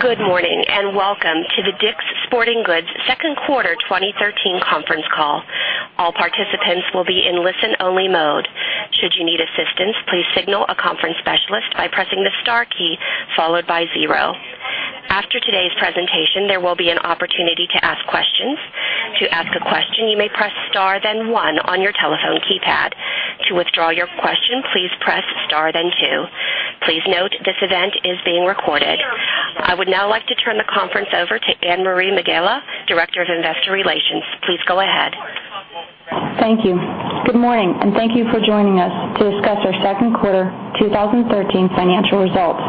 Good morning, and welcome to the DICK'S Sporting Goods second quarter 2013 conference call. All participants will be in listen-only mode. Should you need assistance, please signal a conference specialist by pressing the star key, followed by 0. After today's presentation, there will be an opportunity to ask questions. To ask a question, you may press star, then 1 on your telephone keypad. To withdraw your question, please press star, then 2. Please note this event is being recorded. I would now like to turn the conference over to Anne-Marie Megela, Director of Investor Relations. Please go ahead. Thank you. Good morning, and thank you for joining us to discuss our second quarter 2013 financial results.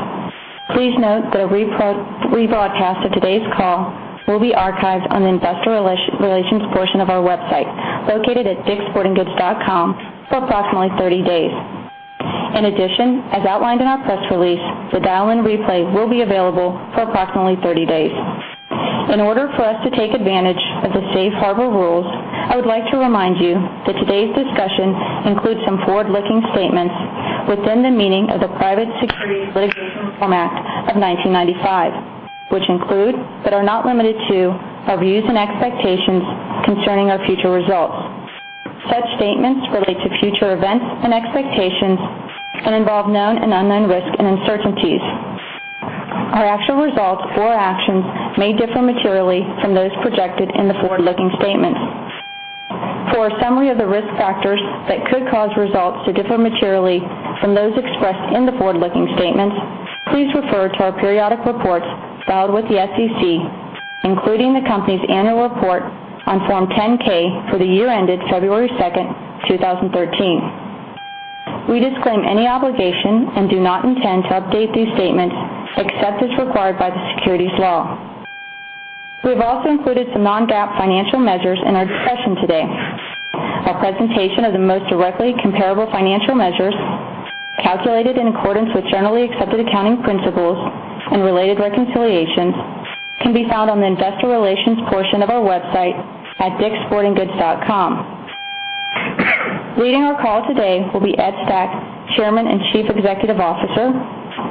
Please note that a rebroadcast of today's call will be archived on the investor relations portion of our website, located at dickssportinggoods.com, for approximately 30 days. In addition, as outlined in our press release, the dial-in replay will be available for approximately 30 days. In order for us to take advantage of the safe harbor rules, I would like to remind you that today's discussion includes some forward-looking statements within the meaning of the Private Securities Litigation Reform Act of 1995, which include, but are not limited to, our views and expectations concerning our future results. Such statements relate to future events and expectations and involve known and unknown risks and uncertainties. Our actual results or actions may differ materially from those projected in the forward-looking statements. For a summary of the risk factors that could cause results to differ materially from those expressed in the forward-looking statements, please refer to our periodic reports filed with the SEC, including the company's annual report on Form 10-K for the year ended February 2nd, 2013. We disclaim any obligation and do not intend to update these statements except as required by the securities law. We have also included some non-GAAP financial measures in our discussion today. A presentation of the most directly comparable financial measures, calculated in accordance with generally accepted accounting principles and related reconciliations, can be found on the investor relations portion of our website at dickssportinggoods.com. Leading our call today will be Ed Stack, Chairman and Chief Executive Officer.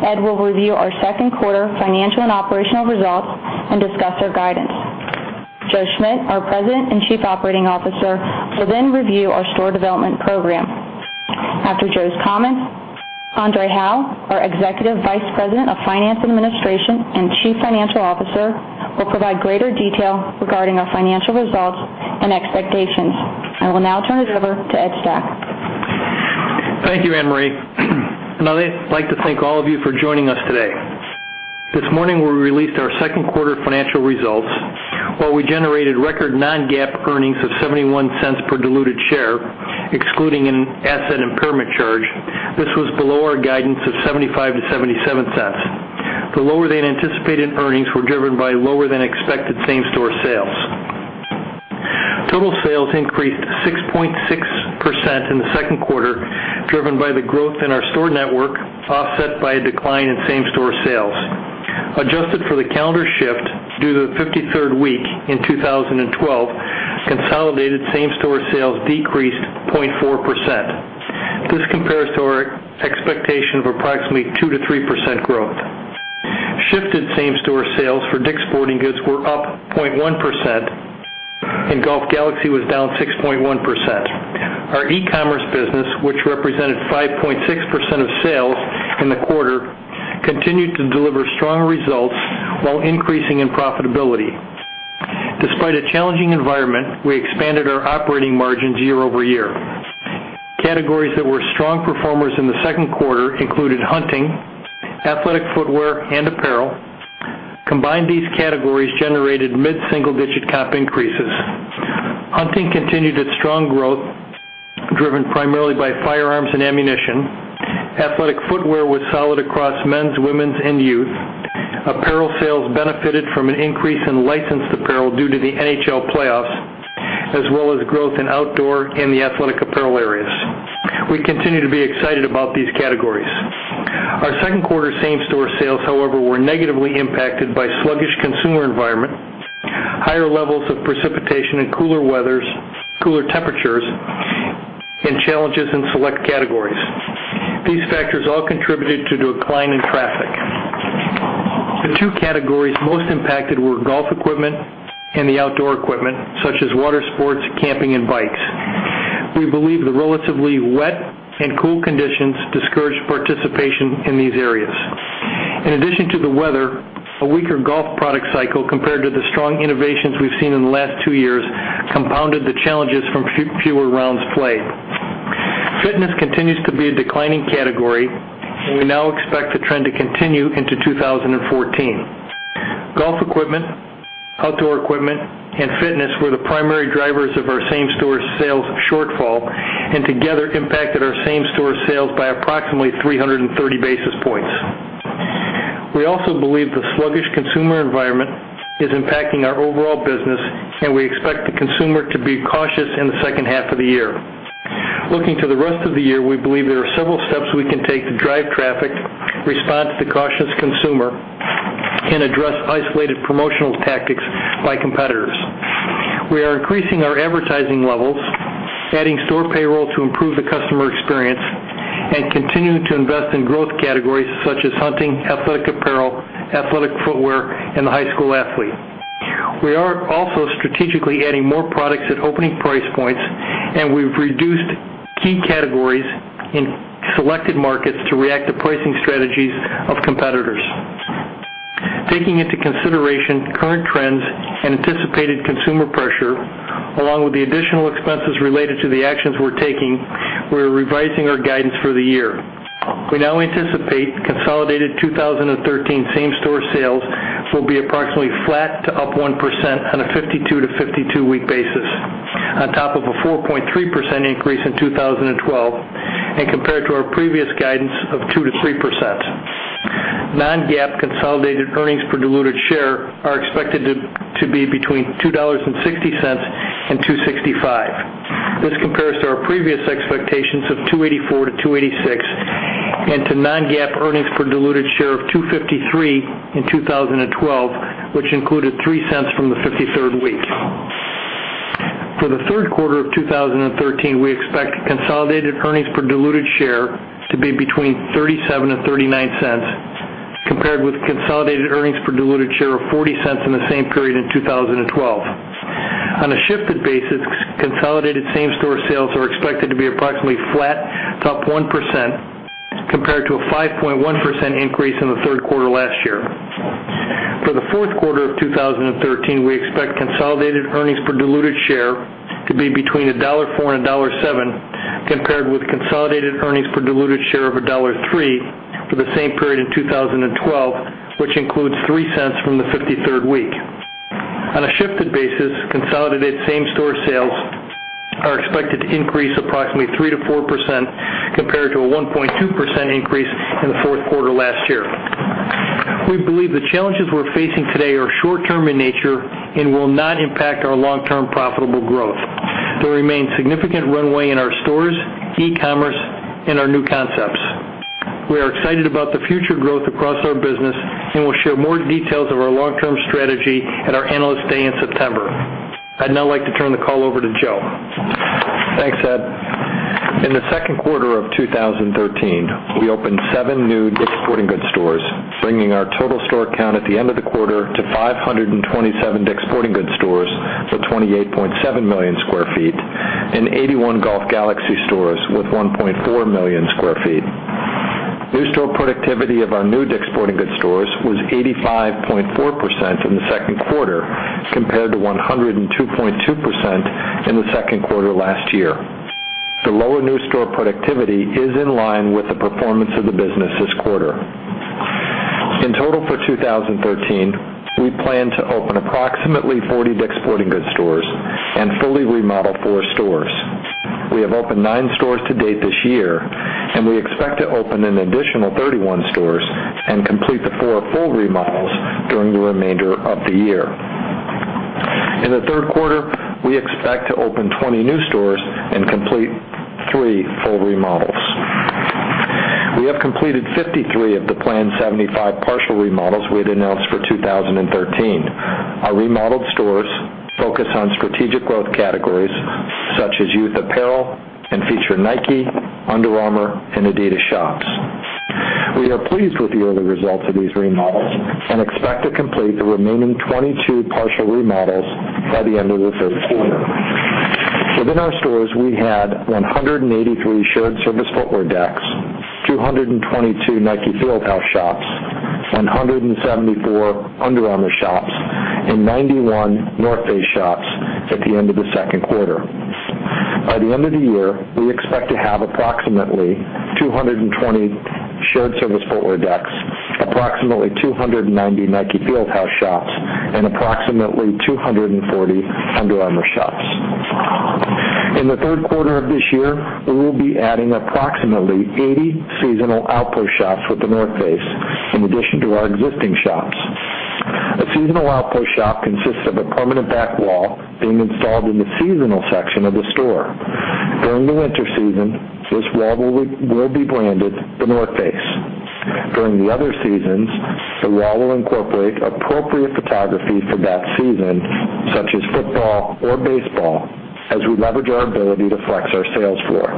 Ed will review our second quarter financial and operational results and discuss our guidance. Joe Schmidt, our President and Chief Operating Officer, will then review our store development program. After Joe's comments, André Hawaux, our Executive Vice President of Finance and Administration and Chief Financial Officer, will provide greater detail regarding our financial results and expectations. I will now turn it over to Ed Stack. Thank you, Anne-Marie. I'd like to thank all of you for joining us today. This morning, we released our second quarter financial results, where we generated record non-GAAP earnings of $0.71 per diluted share, excluding an asset impairment charge. This was below our guidance of $0.75-$0.77. The lower than anticipated earnings were driven by lower than expected same-store sales. Total sales increased 6.6% in the second quarter, driven by the growth in our store network, offset by a decline in same-store sales. Adjusted for the calendar shift due to the fifty-third week in 2012, consolidated same-store sales decreased 0.4%. This compares to our expectation of approximately 2%-3% growth. Shifted same-store sales for DICK'S Sporting Goods were up 0.1%, and Golf Galaxy was down 6.1%. Our e-commerce business, which represented 5.6% of sales in the quarter, continued to deliver strong results while increasing in profitability. Despite a challenging environment, we expanded our operating margins year-over-year. Categories that were strong performers in the second quarter included hunting, athletic footwear, and apparel. Combined, these categories generated mid-single-digit comp increases. Hunting continued its strong growth, driven primarily by firearms and ammunition. Athletic footwear was solid across men's, women's, and youth. Apparel sales benefited from an increase in licensed apparel due to the NHL playoffs, as well as growth in outdoor and the athletic apparel areas. We continue to be excited about these categories. Our second quarter same-store sales, however, were negatively impacted by sluggish consumer environment, higher levels of precipitation and cooler temperatures, and challenges in select categories. These factors all contributed to decline in traffic. The two categories most impacted were golf equipment and the outdoor equipment, such as water sports, camping, and bikes. We believe the relatively wet and cool conditions discouraged participation in these areas. In addition to the weather, a weaker golf product cycle compared to the strong innovations we've seen in the last two years compounded the challenges from fewer rounds played. Fitness continues to be a declining category, we now expect the trend to continue into 2014. Golf equipment, outdoor equipment, and fitness were the primary drivers of our same-store sales shortfall and together impacted our same-store sales by approximately 330 basis points. We also believe the sluggish consumer environment is impacting our overall business, we expect the consumer to be cautious in the second half of the year. Looking to the rest of the year, we believe there are several steps we can take to drive traffic, respond to the cautious consumer, address isolated promotional tactics by competitors. We are increasing our advertising levels, adding store payroll to improve the customer experience, continuing to invest in growth categories such as hunting, athletic apparel, athletic footwear, and the high school athlete. We are also strategically adding more products at opening price points, we've reduced key categories in selected markets to react to pricing strategies of competitors. Taking into consideration current trends and anticipated consumer pressure, along with the additional expenses related to the actions we're taking, we're revising our guidance for the year. We now anticipate consolidated 2013 same-store sales will be approximately flat to up 1% on a 52-to-52-week basis, on top of a 4.3% increase in 2012, and compared to our previous guidance of 2%-3%. Non-GAAP consolidated earnings per diluted share are expected to be between $2.60 and $2.65. This compares to our previous expectations of $2.84-$2.86 and to non-GAAP earnings per diluted share of $2.53 in 2012, which included $0.03 from the 53rd week. For the third quarter of 2013, we expect consolidated earnings per diluted share to be between $0.37 and $0.39, compared with consolidated earnings per diluted share of $0.40 in the same period in 2012. On a shifted basis, consolidated same-store sales are expected to be approximately flat to up 1%, compared to a 5.1% increase in the third quarter last year. For the fourth quarter of 2013, we expect consolidated earnings per diluted share to be between $1.04 and $1.07, compared with consolidated earnings per diluted share of $1.03 for the same period in 2012, which includes $0.03 from the 53rd week. On a shifted basis, consolidated same-store sales are expected to increase approximately 3%-4%, compared to a 1.2% increase in the fourth quarter last year. We believe the challenges we're facing today are short-term in nature and will not impact our long-term profitable growth. There remains significant runway in our stores, e-commerce, and our new concepts. We are excited about the future growth across our business, we'll share more details of our long-term strategy at our Analyst Day in September. I'd now like to turn the call over to Joe. Thanks, Ed. In the second quarter of 2013, we opened seven new DICK’S Sporting Goods stores, bringing our total store count at the end of the quarter to 527 DICK’S Sporting Goods stores for 28.7 million sq ft and 81 Golf Galaxy stores with 1.4 million sq ft. New store productivity of our new DICK’S Sporting Goods stores was 85.4% in the second quarter, compared to 102.2% in the second quarter last year. The lower new store productivity is in line with the performance of the business this quarter. In total for 2013, we plan to open approximately 40 DICK’S Sporting Goods stores and fully remodel four stores. We have opened nine stores to date this year, and we expect to open an additional 31 stores and complete the four full remodels during the remainder of the year. In the third quarter, we expect to open 20 new stores and complete three full remodels. We have completed 53 of the planned 75 partial remodels we had announced for 2013. Our remodeled stores focus on strategic growth categories such as youth apparel and feature Nike, Under Armour, and adidas shops. We are pleased with the early results of these remodels and expect to complete the remaining 22 partial remodels by the end of the third quarter. Within our stores, we had 183 Shared Service Footwear decks, 222 Nike Fieldhouse shops, and 174 Under Armour shops, and 91 The North Face shops at the end of the second quarter. By the end of the year, we expect to have approximately 220 Shared Service Footwear decks, approximately 290 Nike Fieldhouse shops, and approximately 240 Under Armour shops. In the third quarter of this year, we will be adding approximately 80 seasonal outpost shops with The North Face, in addition to our existing shops. A seasonal outpost shop consists of a permanent back wall being installed in the seasonal section of the store. During the winter season, this wall will be branded The North Face. During the other seasons, the wall will incorporate appropriate photography for that season, such as football or baseball, as we leverage our ability to flex our sales floor.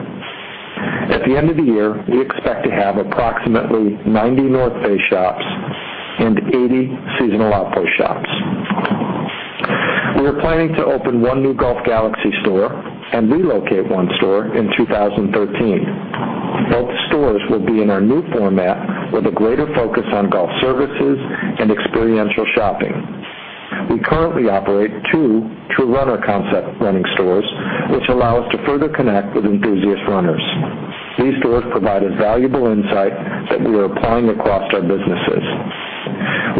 At the end of the year, we expect to have approximately 90 North Face shops and 80 seasonal outpost shops. We are planning to open one new Golf Galaxy store and relocate one store in 2013. Both stores will be in our new format with a greater focus on golf services and experiential shopping. We currently operate two True Runner concept running stores, which allow us to further connect with enthusiast runners. These stores provide a valuable insight that we are applying across our businesses.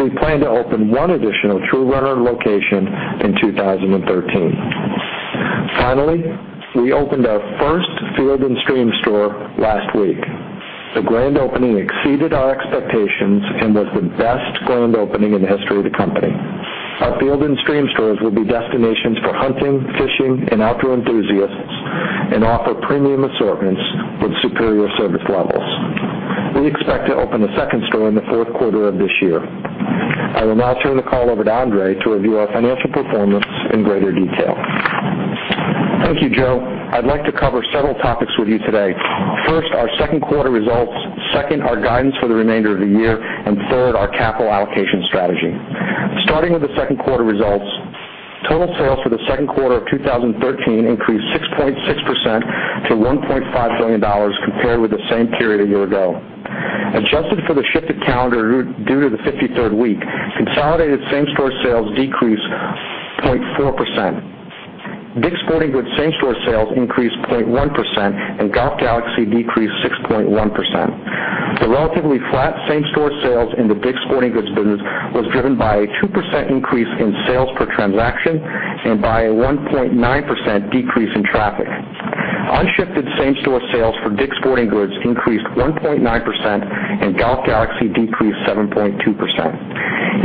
We plan to open one additional True Runner location in 2013. We opened our first Field & Stream store last week. The grand opening exceeded our expectations and was the best grand opening in the history of the company. Our Field & Stream stores will be destinations for hunting, fishing, and outdoor enthusiasts and offer premium assortments with superior service levels. We expect to open a second store in the fourth quarter of this year. I will now turn the call over to André to review our financial performance in greater detail. Thank you, Joe. I'd like to cover several topics with you today. First, our second quarter results, second, our guidance for the remainder of the year, and third, our capital allocation strategy. Total sales for the second quarter of 2013 increased 6.6% to $1.5 billion compared with the same period a year ago. Adjusted for the shifted calendar due to the 53rd week, consolidated same-store sales decreased 0.4%. DICK'S Sporting Goods same-store sales increased 0.1%, and Golf Galaxy decreased 6.1%. The relatively flat same-store sales in the DICK'S Sporting Goods business was driven by a 2% increase in sales per transaction and by a 1.9% decrease in traffic. Unshifted same-store sales for DICK'S Sporting Goods increased 1.9%, and Golf Galaxy decreased 7.2%.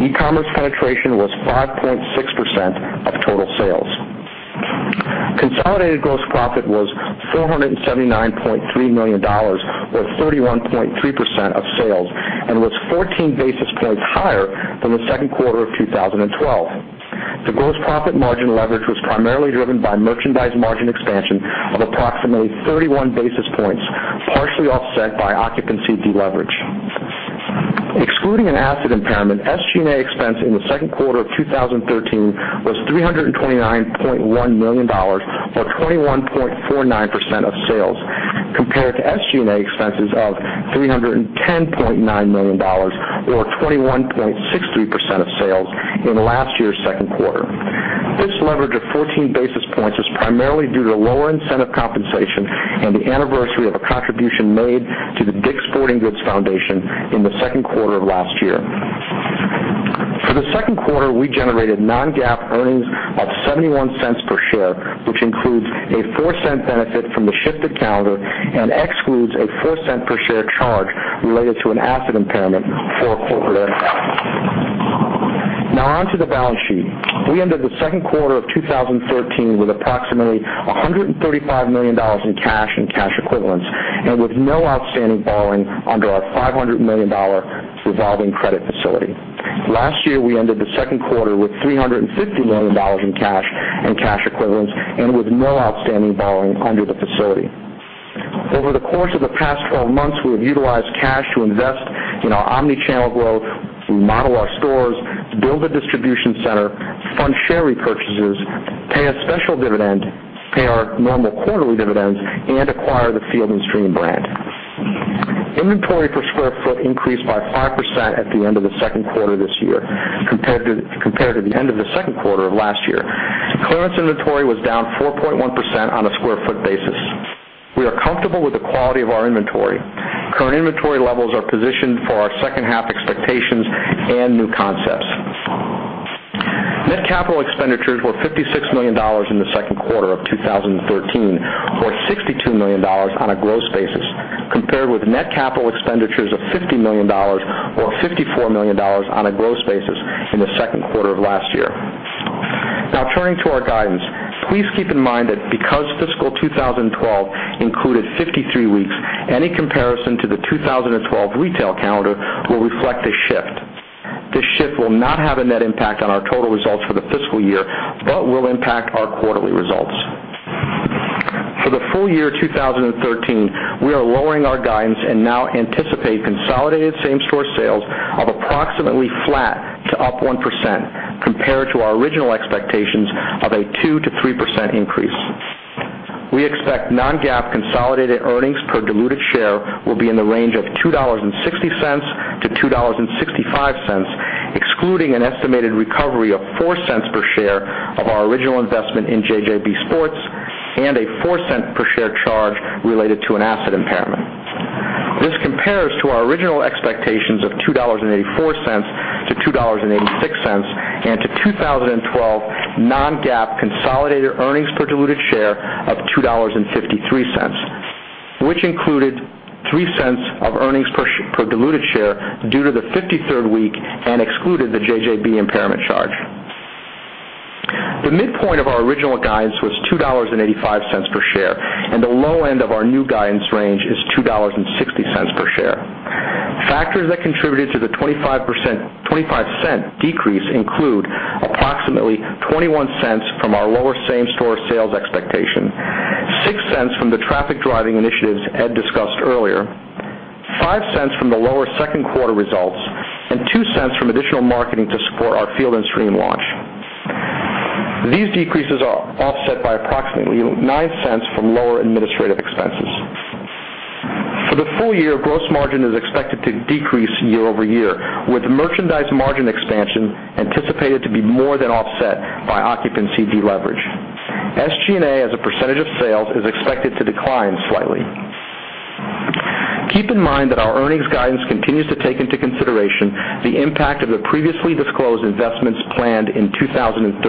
e-commerce penetration was 5.6% of total sales. Consolidated gross profit was $479.3 million, or 31.3% of sales, and was 14 basis points higher than the second quarter of 2012. The gross profit margin leverage was primarily driven by merchandise margin expansion of approximately 31 basis points, partially offset by occupancy deleverage. Excluding an asset impairment, SG&A expense in the second quarter of 2013 was $329.1 million or 21.49% of sales, compared to SG&A expenses of $310.9 million or 21.63% of sales in last year's second quarter. This leverage of 14 basis points is primarily due to lower incentive compensation and the anniversary of a contribution made to The DICK'S Sporting Goods Foundation in the second quarter of last year. For the second quarter, we generated non-GAAP earnings of $0.71 per share, which includes a $0.04 benefit from the shifted calendar and excludes a $0.04 per share charge related to an asset impairment for a corporate entity. Now on to the balance sheet. We ended the second quarter of 2013 with approximately $135 million in cash and cash equivalents and with no outstanding borrowing under our $500 million revolving credit facility. Last year, we ended the second quarter with $350 million in cash and cash equivalents and with no outstanding borrowing under the facility. Over the course of the past 12 months, we have utilized cash to invest in our omnichannel growth, remodel our stores, build a distribution center, fund share repurchases, pay a special dividend, pay our normal quarterly dividends, and acquire the Field & Stream brand. Inventory per square foot increased by 5% at the end of the second quarter this year compared to the end of the second quarter of last year. Clearance inventory was down 4.1% on a square foot basis. We are comfortable with the quality of our inventory. Current inventory levels are positioned for our second half expectations and new concepts. Net capital expenditures were $56 million in the second quarter of 2013, or $62 million on a gross basis, compared with net capital expenditures of $50 million or $54 million on a gross basis in the second quarter of last year. Now turning to our guidance. Please keep in mind that because fiscal 2012 included 53 weeks, any comparison to the 2012 retail calendar will reflect a shift. This shift will not have a net impact on our total results for the fiscal year but will impact our quarterly results. For the full year 2013, we are lowering our guidance and now anticipate consolidated same-store sales of approximately flat to up 1%, compared to our original expectations of a 2%-3% increase. We expect non-GAAP consolidated earnings per diluted share will be in the range of $2.60-$2.65, excluding an estimated recovery of $0.04 per share of our original investment in JJB Sports and a $0.04 per share charge related to an asset impairment. This compares to our original expectations of $2.84-$2.86 and to 2012 non-GAAP consolidated earnings per diluted share of $2.53, which included $0.03 of earnings per diluted share due to the 53rd week and excluded the JJB impairment charge. The midpoint of our original guidance was $2.85 per share, and the low end of our new guidance range is $2.60 per share. Factors that contributed to the $0.25 decrease include approximately $0.21 from our lower same-store sales expectation, $0.06 from the traffic-driving initiatives Ed discussed earlier, $0.05 from the lower second quarter results, and $0.02 from additional marketing to support our Field & Stream launch. These decreases are offset by approximately $0.09 from lower administrative expenses. For the full year, gross margin is expected to decrease year-over-year, with merchandise margin expansion anticipated to be more than offset by occupancy deleverage. SG&A as a percentage of sales is expected to decline slightly. Keep in mind that our earnings guidance continues to take into consideration the impact of the previously disclosed investments planned in 2013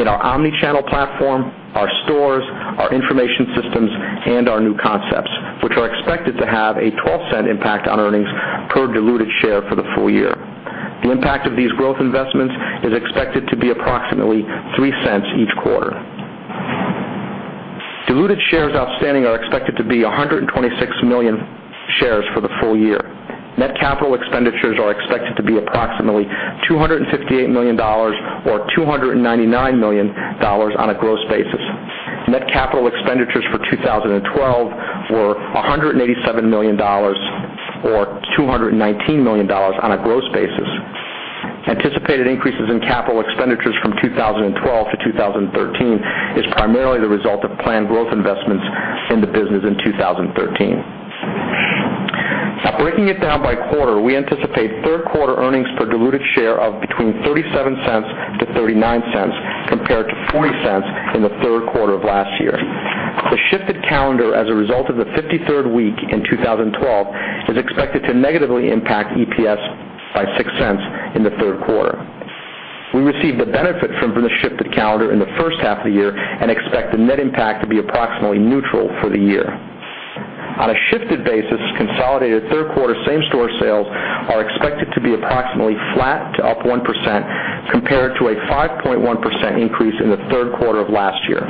in our omnichannel platform, our stores, our information systems, and our new concepts, which are expected to have a $0.12 impact on earnings per diluted share for the full year. The impact of these growth investments is expected to be approximately $0.03 each quarter. Diluted shares outstanding are expected to be 126 million shares for the full year. Net capital expenditures are expected to be approximately $258 million, or $299 million on a gross basis. Net capital expenditures for 2012 were $187 million, or $219 million on a gross basis. Anticipated increases in capital expenditures from 2012 to 2013 is primarily the result of planned growth investments in the business in 2013. Breaking it down by quarter, we anticipate third quarter earnings per diluted share of between $0.37-$0.39, compared to $0.40 in the third quarter of last year. The shifted calendar as a result of the 53rd week in 2012 is expected to negatively impact EPS by $0.06 in the third quarter. We received the benefit from the shifted calendar in the first half of the year and expect the net impact to be approximately neutral for the year. On a shifted basis, consolidated third quarter same-store sales are expected to be approximately flat to up 1%, compared to a 5.1% increase in the third quarter of last year.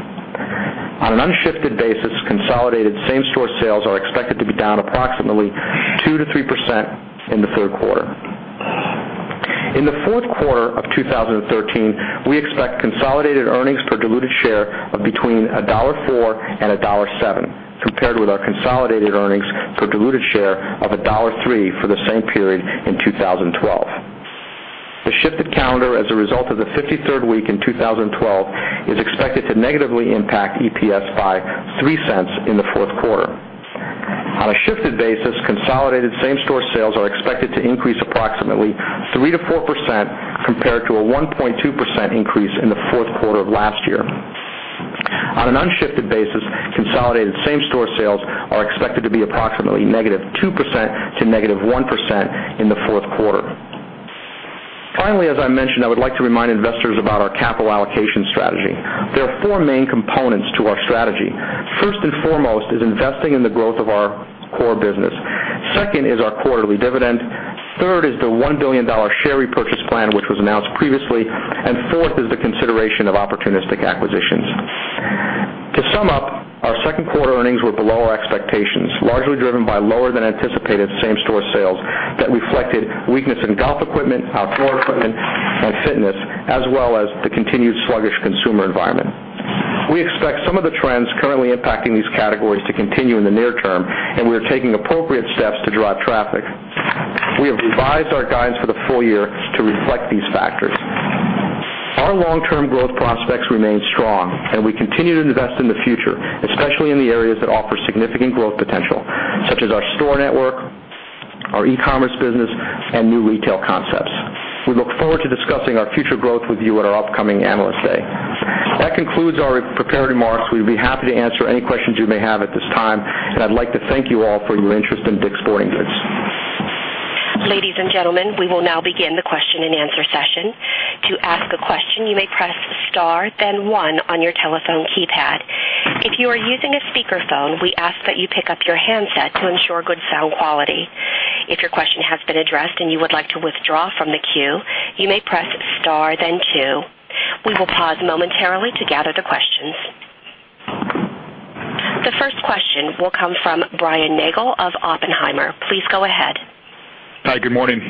On an unshifted basis, consolidated same-store sales are expected to be down approximately 2%-3% in the third quarter. In the fourth quarter of 2013, we expect consolidated earnings per diluted share of between $1.04 and $1.07, compared with our consolidated earnings per diluted share of $1.03 for the same period in 2012. The shifted calendar as a result of the 53rd week in 2012 is expected to negatively impact EPS by $0.03 in the fourth quarter. On a shifted basis, consolidated same-store sales are expected to increase approximately 3%-4%, compared to a 1.2% increase in the fourth quarter of last year. On an unshifted basis, consolidated same-store sales are expected to be approximately -2% to -1% in the fourth quarter. As I mentioned, I would like to remind investors about our capital allocation strategy. There are four main components to our strategy. First and foremost is investing in the growth of our core business. Second is our quarterly dividend. Third is the $1 billion share repurchase plan, which was announced previously. Fourth is the consideration of opportunistic acquisitions. To sum up, our second quarter earnings were below our expectations, largely driven by lower than anticipated same-store sales that reflected weakness in golf equipment, outdoor equipment, and fitness, as well as the continued sluggish consumer environment. We expect some of the trends currently impacting these categories to continue in the near term, and we are taking appropriate steps to drive traffic. We have revised our guidance for the full year to reflect these factors. Our long-term growth prospects remain strong, and we continue to invest in the future, especially in the areas that offer significant growth potential, such as our store network, our e-commerce business, and new retail concepts. We look forward to discussing our future growth with you at our upcoming Analyst Day. That concludes our prepared remarks. We'd be happy to answer any questions you may have at this time, and I'd like to thank you all for your interest in DICK’S Sporting Goods. Ladies and gentlemen, we will now begin the question and answer session. To ask a question, you may press star then one on your telephone keypad. If you are using a speakerphone, we ask that you pick up your handset to ensure good sound quality. If your question has been addressed and you would like to withdraw from the queue, you may press star then two. We will pause momentarily to gather the questions. The first question will come from Brian Nagel of Oppenheimer. Please go ahead. Hi, good morning.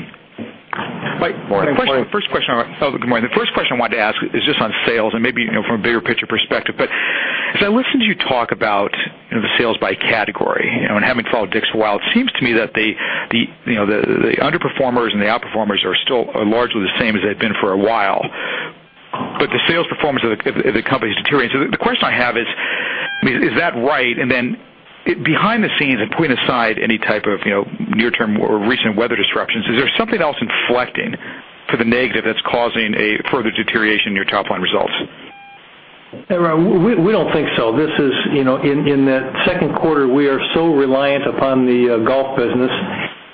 Morning. The first question I wanted to ask is just on sales and maybe from a bigger picture perspective. As I listen to you talk about the sales by category, and having followed DICK'S for a while, it seems to me that the underperformers and the out-performers are still largely the same as they've been for a while. The sales performance of the company has deteriorated. The question I have is that right? And then behind the scenes and putting aside any type of near-term or recent weather disruptions, is there something else inflecting for the negative that's causing a further deterioration in your top-line results? We don't think so. In the second quarter, we are so reliant upon the golf business,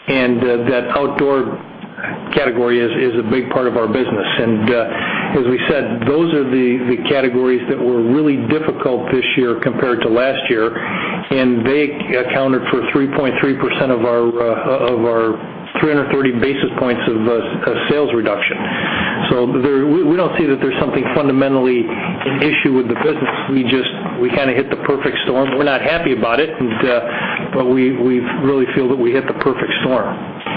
and that outdoor category is a big part of our business. As we said, those are the categories that were really difficult this year compared to last year, and they accounted for 3.3% of our 330 basis points of sales reduction. We don't see that there's something fundamentally an issue with the business. We kind of hit the perfect storm. We're not happy about it, but we really feel that we hit the perfect storm.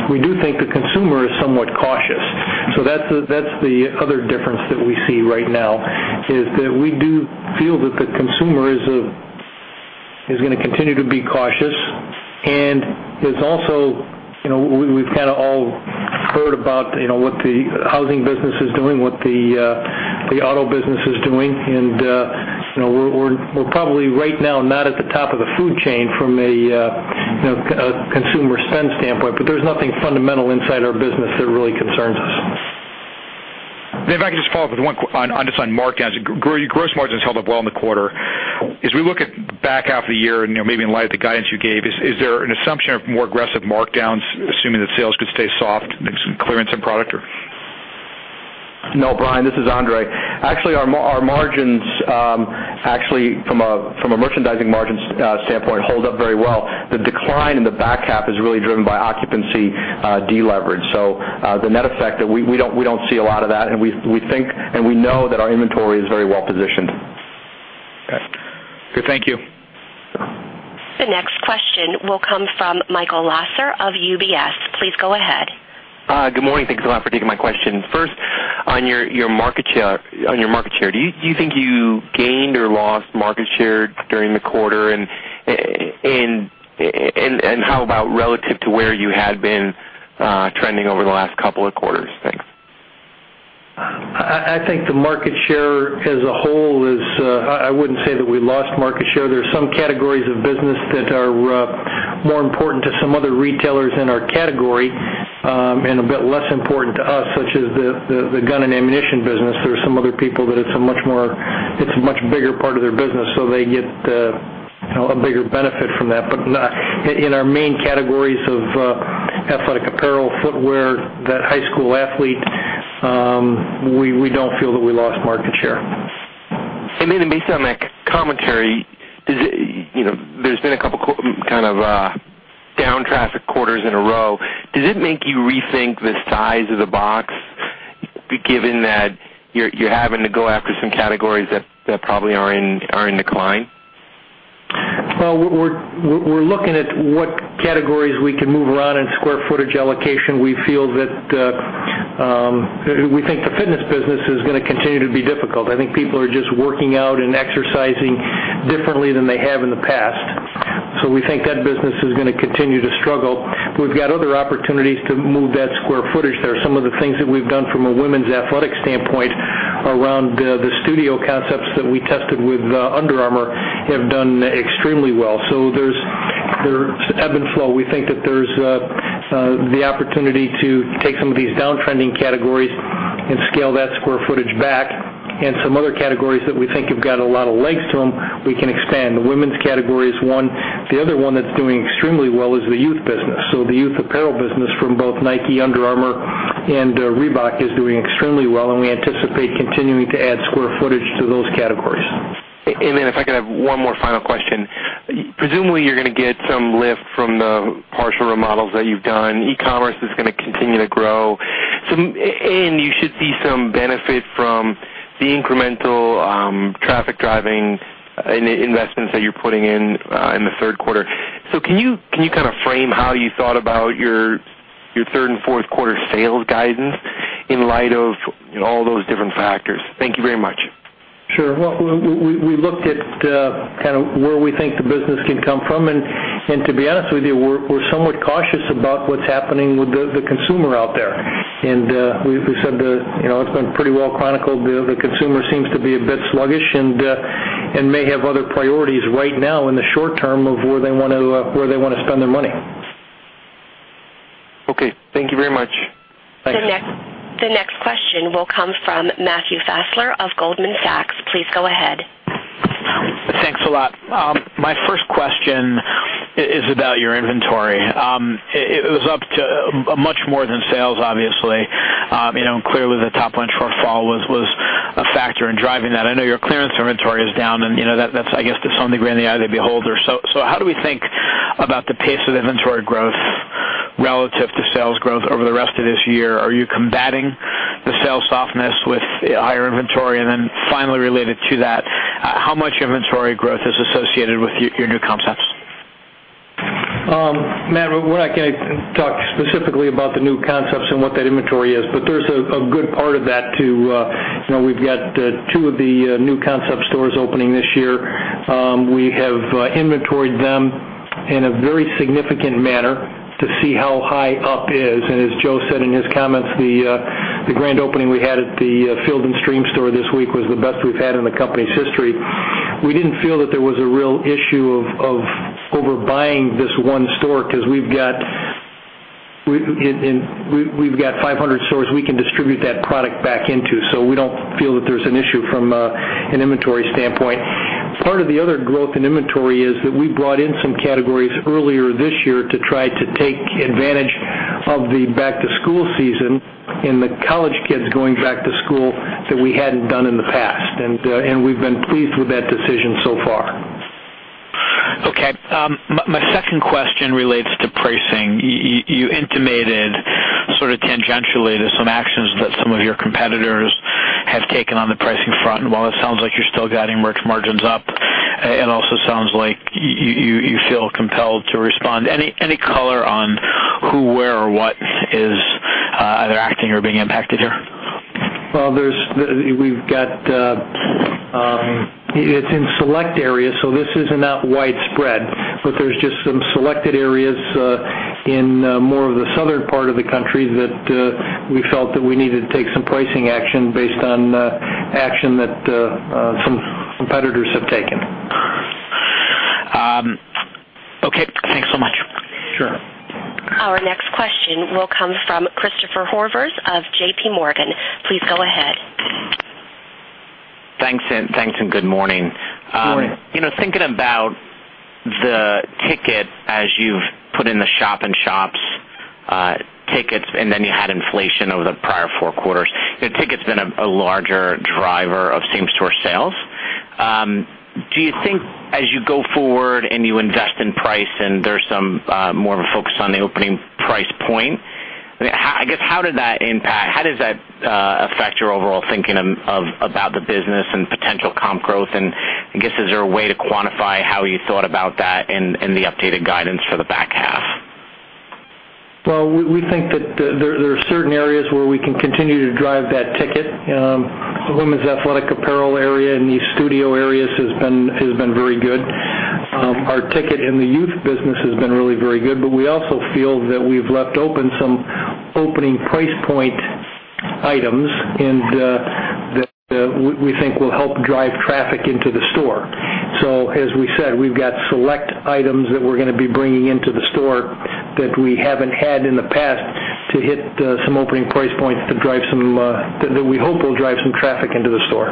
We do think the consumer is somewhat cautious. That's the other difference that we see right now, is that we do feel that the consumer is going to continue to be cautious, and we've kind of all heard about what the housing business is doing, what the auto business is doing, and we're probably right now not at the top of the food chain from a consumer spend standpoint, but there's nothing fundamental inside our business that really concerns us. If I could just follow up with one on just on markdowns. Your gross margins held up well in the quarter. As we look at the back half of the year and maybe in light of the guidance you gave, is there an assumption of more aggressive markdowns, assuming that sales could stay soft in clearance and product? No, Brian, this is André. Actually, our margins, from a merchandising margins standpoint, hold up very well. The decline in the back half is really driven by occupancy de-leverage. The net effect that we don't see a lot of that, and we know that our inventory is very well positioned. Okay. Good. Thank you. The next question will come from Michael Lasser of UBS. Please go ahead. Good morning. Thanks a lot for taking my questions. First, on your market share, do you think you gained or lost market share during the quarter? How about relative to where you had been trending over the last couple of quarters? Thanks. I think the market share as a whole is I wouldn't say that we lost market share. There's some categories of business that are more important to some other retailers in our category, and a bit less important to us, such as the gun and ammunition business. There are some other people that it's a much bigger part of their business, so they get a bigger benefit from that. In our main categories of athletic apparel, footwear, that high school athlete, we don't feel that we lost market share. Based on that commentary, there's been a couple of kind of down traffic quarters in a row. Does it make you rethink the size of the box, given that you're having to go after some categories that probably are in decline? Well, we're looking at what categories we can move around in square footage allocation. We think the fitness business is going to continue to be difficult. I think people are just working out and exercising differently than they have in the past. We think that business is going to continue to struggle. We've got other opportunities to move that square footage there. Some of the things that we've done from a women's athletic standpoint around the studio concepts that we tested with Under Armour have done extremely well. There's ebb and flow. We think that there's the opportunity to take some of these downtrending categories and scale that square footage back. Some other categories that we think have got a lot of legs to them, we can expand. The women's category is one. The other one that's doing extremely well is the youth business. The youth apparel business from both Nike, Under Armour, and Reebok is doing extremely well. We anticipate continuing to add square footage to those categories. If I could have one more final question. Presumably, you're going to get some lift from the partial remodels that you've done. E-commerce is going to continue to grow. You should see some benefit from the incremental traffic-driving investments that you're putting in the third quarter. Can you kind of frame how you thought about your third and fourth quarter sales guidance in light of all those different factors? Thank you very much. Sure. Well, we looked at kind of where we think the business can come from. To be honest with you, we're somewhat cautious about what's happening with the consumer out there. We said that it's been pretty well chronicled. The consumer seems to be a bit sluggish and may have other priorities right now in the short term of where they want to spend their money. Okay. Thank you very much. Thanks. The next question will come from Matthew Fassler of Goldman Sachs. Please go ahead. Thanks a lot. My first question is about your inventory. It was up to much more than sales, obviously. Clearly, the top-line shortfall was a factor in driving that. I know your clearance inventory is down, and that's, I guess, to some degree, in the eye of the beholder. How do we think about the pace of inventory growth relative to sales growth over the rest of this year? Are you combating the sales softness with higher inventory? Finally, related to that, how much inventory growth is associated with your new concepts? Matt, we're not going to talk specifically about the new concepts and what that inventory is, but there's a good part of that, too. We've got two of the new concept stores opening this year. We have inventoried them in a very significant manner to see how high up is. As Joe said in his comments, the grand opening we had at the Field & Stream store this week was the best we've had in the company's history. We didn't feel that there was a real issue of overbuying this one store because we've got 500 stores we can distribute that product back into. We don't feel that there's an issue from an inventory standpoint. Part of the other growth in inventory is that we brought in some categories earlier this year to try to take advantage of the back-to-school season and the college kids going back to school that we hadn't done in the past. We've been pleased with that decision so far. Okay. My second question relates to pricing. You intimated sort of tangentially to some actions that some of your competitors have taken on the pricing front. While it sounds like you're still guiding merch margins up, it also sounds like you feel compelled to respond. Any color on who, where, or what is either acting or being impacted here? Well, it's in select areas, so this is not widespread. There's just some selected areas in more of the southern part of the country that we felt that we needed to take some pricing action based on action that some competitors have taken. Okay. Thanks so much. Sure. Our next question will come from Christopher Horvers of JPMorgan. Please go ahead. Thanks, good morning. Morning. Thinking about the ticket as you've put in the shop-in-shops tickets, then you had inflation over the prior four quarters. The ticket's been a larger driver of same-store sales. Do you think as you go forward and you invest in price and there's some more of a focus on the opening price point, I guess, how did that impact, how does that affect thinking about the business and potential comp growth. I guess, is there a way to quantify how you thought about that in the updated guidance for the back half? Well, we think that there are certain areas where we can continue to drive that ticket. Women's athletic apparel area and the studio areas has been very good. Our ticket in the youth business has been really very good. We also feel that we've left open some opening price point items and that we think will help drive traffic into the store. As we said, we've got select items that we're going to be bringing into the store that we haven't had in the past to hit some opening price points that we hope will drive some traffic into the store.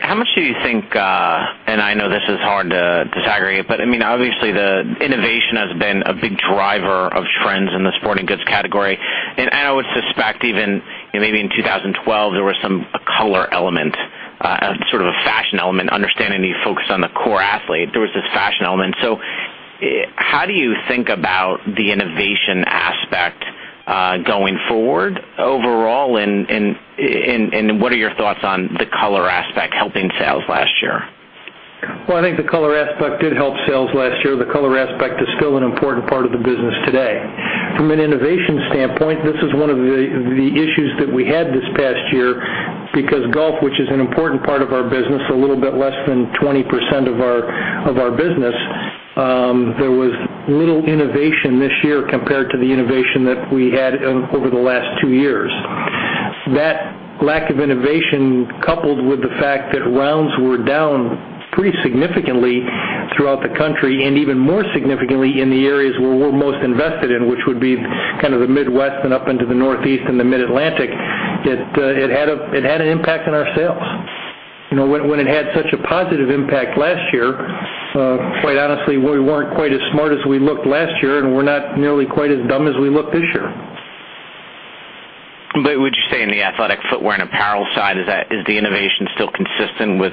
How much do you think, I know this is hard to disaggregate, but obviously, the innovation has been a big driver of trends in the sporting goods category. I would suspect even maybe in 2012, there was a color element, sort of a fashion element. Understanding that you focused on the core athlete, there was this fashion element. How do you think about the innovation aspect going forward overall, and what are your thoughts on the color aspect helping sales last year? Well, I think the color aspect did help sales last year. The color aspect is still an important part of the business today. From an innovation standpoint, this is one of the issues that we had this past year because golf, which is an important part of our business, a little bit less than 20% of our business, there was little innovation this year compared to the innovation that we had over the last two years. That lack of innovation, coupled with the fact that rounds were down pretty significantly throughout the country, and even more significantly in the areas where we're most invested in, which would be kind of the Midwest and up into the Northeast and the Mid-Atlantic, it had an impact on our sales. When it had such a positive impact last year, quite honestly, we weren't quite as smart as we looked last year, and we're not nearly quite as dumb as we look this year. Would you say in the athletic footwear and apparel side, is the innovation still consistent with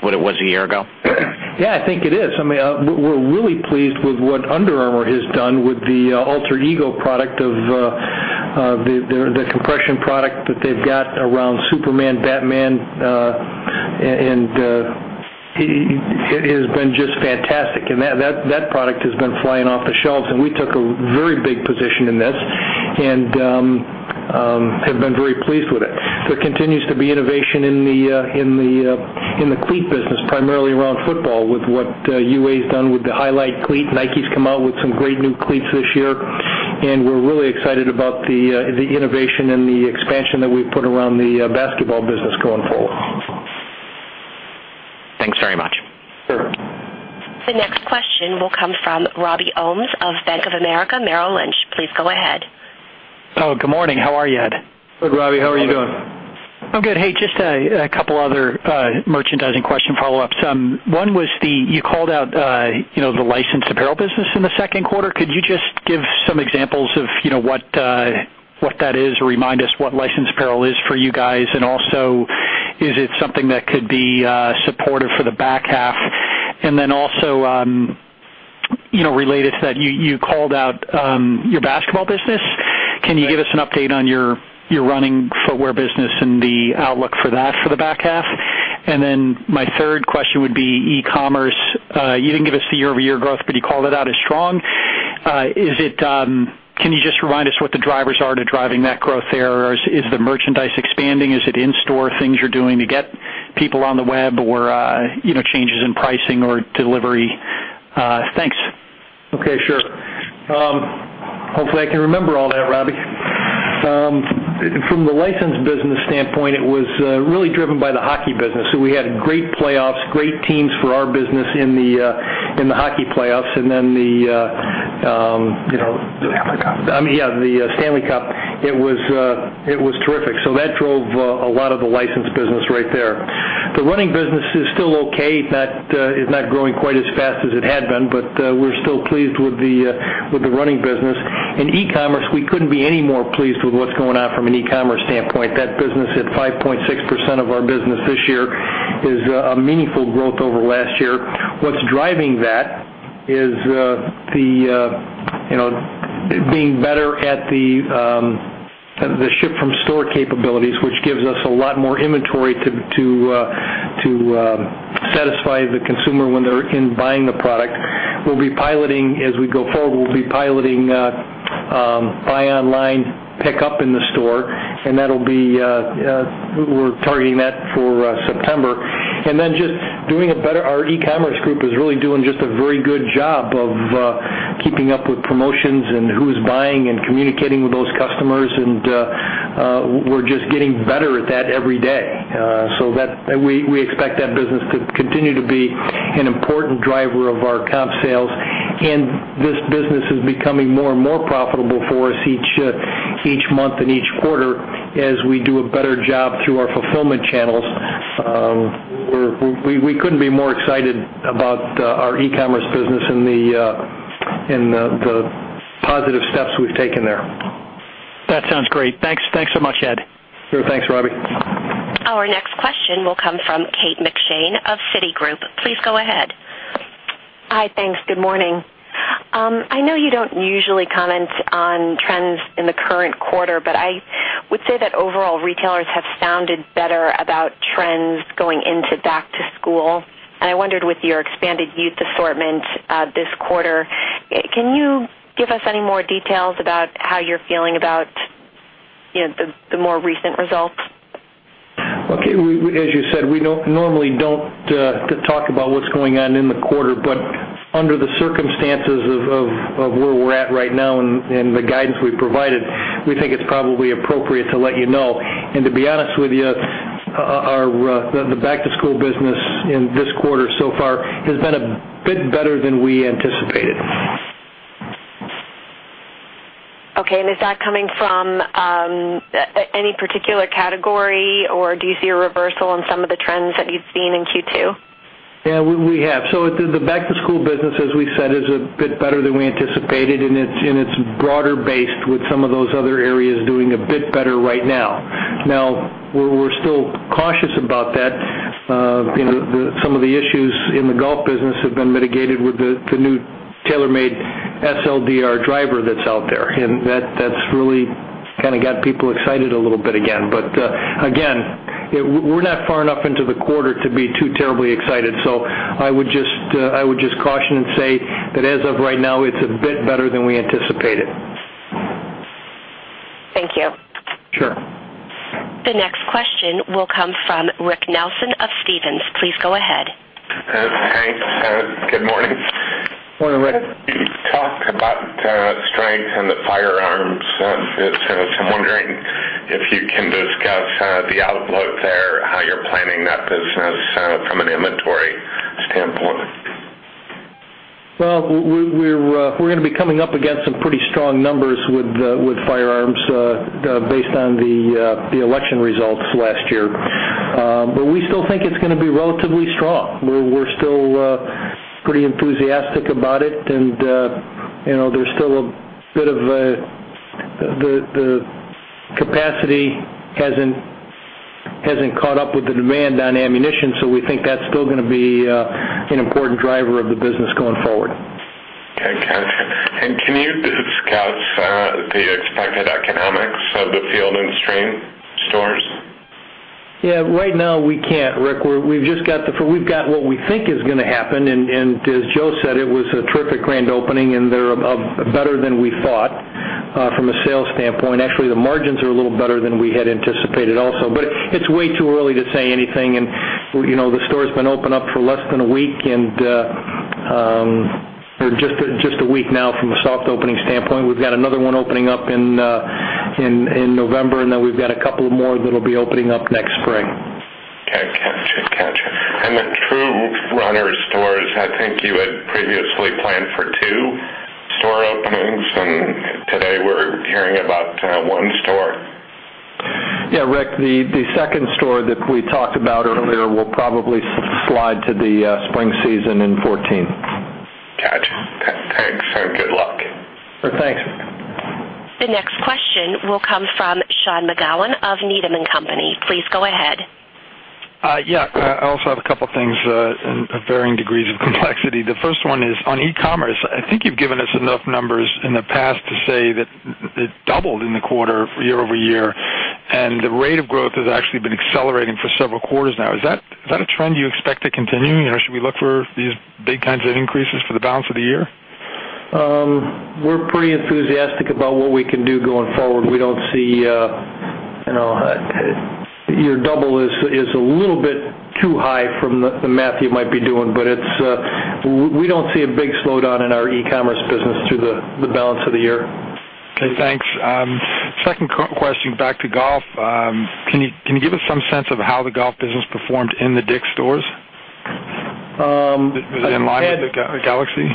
what it was a year ago? I think it is. We're really pleased with what Under Armour has done with the Alter Ego product, the compression product that they've got around Superman, Batman. It has been just fantastic. That product has been flying off the shelves, and we took a very big position in this and have been very pleased with it. There continues to be innovation in the cleat business, primarily around football with what UA's done with the Highlight cleat. Nike's come out with some great new cleats this year, and we're really excited about the innovation and the expansion that we've put around the basketball business going forward. Thanks very much. Sure. The next question will come from Robert Ohmes of Bank of America Merrill Lynch. Please go ahead. Good morning. How are you, Ed? Good, Robbie. How are you doing? I'm good. Hey, just a couple other merchandising question follow-ups. One was you called out the licensed apparel business in the second quarter. Could you just give some examples of what that is, or remind us what licensed apparel is for you guys? Is it something that could be supportive for the back half? Related to that, you called out your basketball business. Can you give us an update on your running footwear business and the outlook for that for the back half? My third question would be e-commerce. You didn't give us the year-over-year growth, you called it out as strong. Can you just remind us what the drivers are to driving that growth there? Is the merchandise expanding? Is it in-store things you're doing to get people on the web, or changes in pricing or delivery? Thanks. Okay, sure. Hopefully, I can remember all that, Robbie. From the licensed business standpoint, it was really driven by the hockey business. We had great playoffs, great teams for our business in the hockey playoffs, and then the- Stanley Cup. Yeah, the Stanley Cup. It was terrific. That drove a lot of the licensed business right there. The running business is still okay. It's not growing quite as fast as it had been, but we're still pleased with the running business. In e-commerce, we couldn't be any more pleased with what's going on from an e-commerce standpoint. That business, at 5.6% of our business this year, is a meaningful growth over last year. What's driving that is being better at the ship-from-store capabilities, which gives us a lot more inventory to satisfy the consumer when they're in buying the product. As we go forward, we'll be piloting buy online, pick up in the store, and we're targeting that for September. Our e-commerce group is really doing just a very good job of keeping up with promotions and who's buying and communicating with those customers, and we're just getting better at that every day. We expect that business to continue to be an important driver of our comp sales. This business is becoming more and more profitable for us each month and each quarter as we do a better job through our fulfillment channels. We couldn't be more excited about our e-commerce business and the positive steps we've taken there. That sounds great. Thanks so much, Ed. Sure. Thanks, Robbie. Our next question will come from Kate McShane. Hi, thanks. Good morning. I know you don't usually comment on trends in the current quarter. I would say that overall retailers have sounded better about trends going into back to school. I wondered with your expanded youth assortment this quarter, can you give us any more details about how you're feeling about the more recent results? Okay. As you said, we normally don't talk about what's going on in the quarter. Under the circumstances of where we're at right now and the guidance we've provided, we think it's probably appropriate to let you know. To be honest with you, the back-to-school business in this quarter so far has been a bit better than we anticipated. Okay. Is that coming from any particular category, or do you see a reversal in some of the trends that you've seen in Q2? We have. The back-to-school business, as we said, is a bit better than we anticipated, and it's broader based with some of those other areas doing a bit better right now. We're still cautious about that. Some of the issues in the golf business have been mitigated with the new TaylorMade SLDR driver that's out there, and that's really got people excited a little bit again. Again, we're not far enough into the quarter to be too terribly excited. I would just caution and say that as of right now, it's a bit better than we anticipated. Thank you. Sure. The next question will come from Rick Nelson of Stephens. Please go ahead. Thanks. Good morning. Morning, Rick. You talked about strength in the firearms. I'm wondering if you can discuss the outlook there, how you're planning that business from an inventory standpoint. Well, we're going to be coming up against some pretty strong numbers with firearms based on the election results last year. We still think it's going to be relatively strong. We're still pretty enthusiastic about it. There's still the capacity hasn't caught up with the demand on ammunition, we think that's still going to be an important driver of the business going forward. Okay. Can you discuss the expected economics of the Field & Stream stores? Right now we can't, Rick. We've got what we think is going to happen, and as Joe said, it was a terrific grand opening, and they're better than we thought from a sales standpoint. Actually, the margins are a little better than we had anticipated also. It's way too early to say anything, and the store's been open up for less than a week, and just a week now from a soft opening standpoint. We've got another one opening up in November, we've got a couple more that'll be opening up next spring. Okay. Gotcha. The True Runner stores, I think you had previously planned for two store openings, and today we're hearing about one store. Yeah, Rick, the second store that we talked about earlier will probably slide to the spring season in 2014. Gotcha. Okay, thanks, and good luck. Thanks. The next question will come from Sean McGowan of Needham & Company. Please go ahead. Yeah. I also have a couple things of varying degrees of complexity. The first one is on e-commerce. I think you've given us enough numbers in the past to say that it doubled in the quarter year-over-year, and the rate of growth has actually been accelerating for several quarters now. Is that a trend you expect to continue, or should we look for these big kinds of increases for the balance of the year? We're pretty enthusiastic about what we can do going forward. Your double is a little bit too high from the math you might be doing. We don't see a big slowdown in our e-commerce business through the balance of the year. Okay, thanks. Second question, back to golf. Can you give us some sense of how the golf business performed in the DICK'S stores? In line with Galaxy?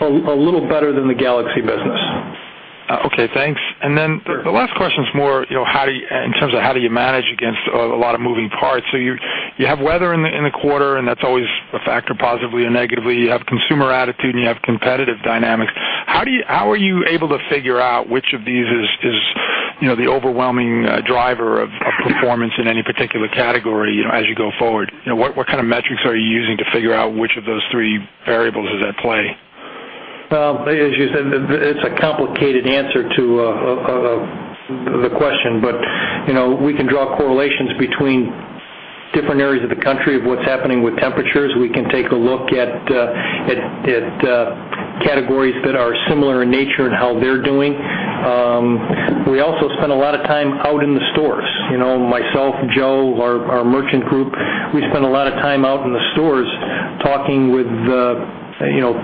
A little better than the Galaxy business. Okay, thanks. Sure. The last question's more in terms of how do you manage against a lot of moving parts. You have weather in the quarter, and that's always a factor, positively or negatively. You have consumer attitude, and you have competitive dynamics. How are you able to figure out which of these is the overwhelming driver of performance in any particular category as you go forward? What kind of metrics are you using to figure out which of those three variables is at play? Well, as you said, it's a complicated answer to the question, but we can draw correlations between different areas of the country of what's happening with temperatures. We can take a look at categories that are similar in nature and how they're doing. We also spend a lot of time out in the stores. Myself, Joe, our merchant group, we spend a lot of time out in the stores talking with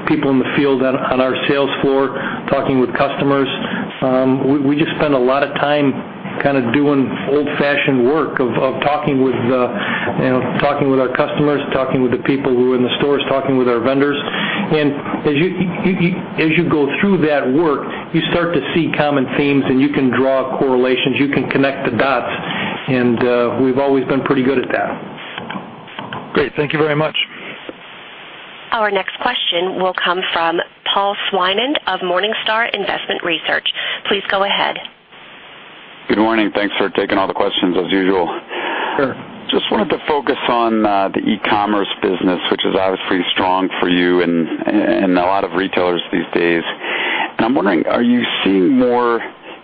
people in the field on our sales floor, talking with customers. We just spend a lot of time kind of doing old-fashioned work of talking with our customers, talking with the people who are in the stores, talking with our vendors. As you go through that work, you start to see common themes, and you can draw correlations. You can connect the dots, and we've always been pretty good at that. Great. Thank you very much. Our next question will come from Paul Swinand of Morningstar Investment Research. Please go ahead. Good morning. Thanks for taking all the questions as usual. Sure. Just wanted to focus on the e-commerce business, which is obviously strong for you and a lot of retailers these days. I'm wondering, are you seeing more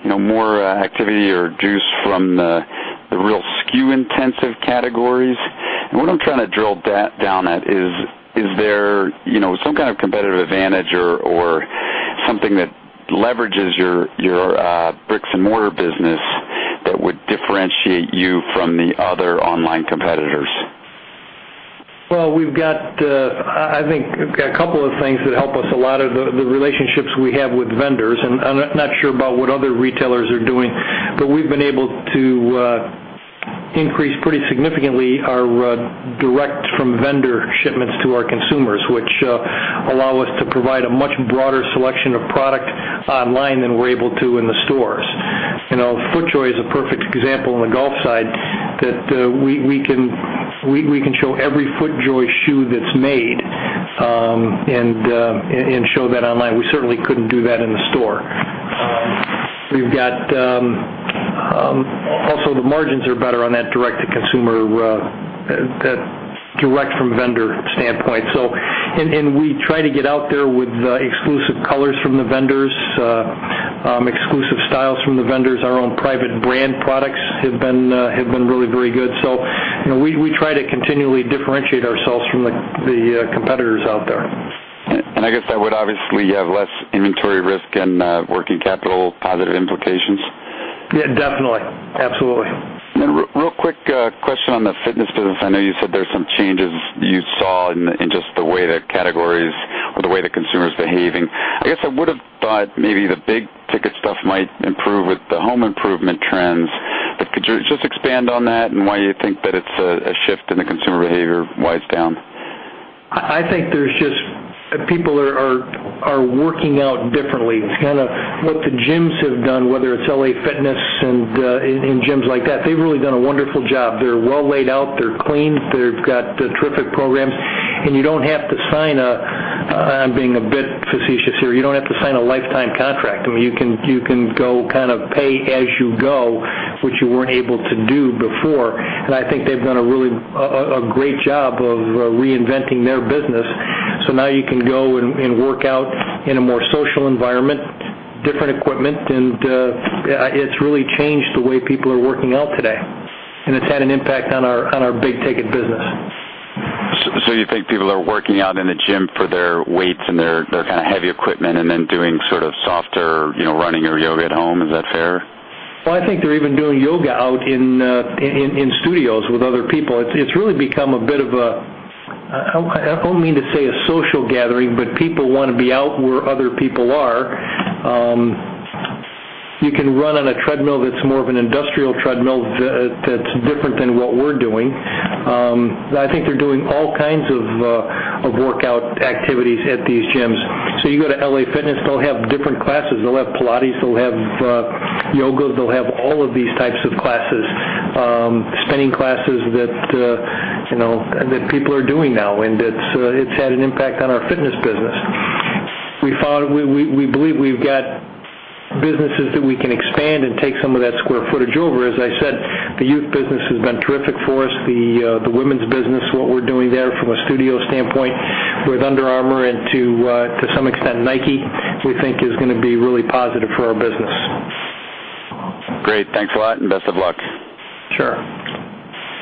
activity or juice from the real SKU-intensive categories? What I'm trying to drill down at is there some kind of competitive advantage or something that leverages your bricks and mortar business that would differentiate you from the other online competitors? I think we've got a couple of things that help us a lot, the relationships we have with vendors. I'm not sure about what other retailers are doing, but we've been able to increase pretty significantly our direct from vendor shipments to our consumers, which allow us to provide a much broader selection of product online than we're able to in the stores. FootJoy is a perfect example on the golf side that we can show every FootJoy shoe that's made, and show that online. We certainly couldn't do that in the store. Also, the margins are better on that direct from vendor standpoint. We try to get out there with exclusive colors from the vendors, exclusive styles from the vendors. Our own private brand products have been really very good. We try to continually differentiate ourselves from the competitors out there. I guess that would obviously have less inventory risk and working capital positive implications. Yeah, definitely. Absolutely. Real quick question on the fitness business. I know you said there's some changes you saw in just the way the category is, or the way the consumer's behaving. I guess I would've thought maybe the big-ticket stuff might improve with the home improvement trends, but could you just expand on that and why you think that it's a shift in the consumer behavior-wise down? I think people are working out differently. It's kind of what the gyms have done, whether it's LA Fitness and gyms like that. They've really done a wonderful job. They're well laid out. They're clean. They've got terrific programs. You don't have to sign. I'm being a bit facetious here. You don't have to sign a lifetime contract. I mean, you can go pay as you go, which you weren't able to do before. I think they've done a great job of reinventing their business. Now you can go and work out in a more social environment, different equipment, and it's really changed the way people are working out today. It's had an impact on our big-ticket business. You think people are working out in the gym for their weights and their kind of heavy equipment and then doing sort of softer running or yoga at home, is that fair? Well, I think they're even doing yoga out in studios with other people. It's really become a bit of a, I don't mean to say a social gathering, but people want to be out where other people are. You can run on a treadmill that's more of an industrial treadmill that's different than what we're doing. I think they're doing all kinds of workout activities at these gyms. You go to LA Fitness, they'll have different classes. They'll have Pilates, they'll have yoga, they'll have all of these types of classes, spinning classes that people are doing now, and it's had an impact on our fitness business. We believe we've got businesses that we can expand and take some of that square footage over. As I said, the youth business has been terrific for us. The women's business, what we're doing there from a studio standpoint with Under Armour and to some extent Nike, we think is going to be really positive for our business. Great. Thanks a lot and best of luck. Sure.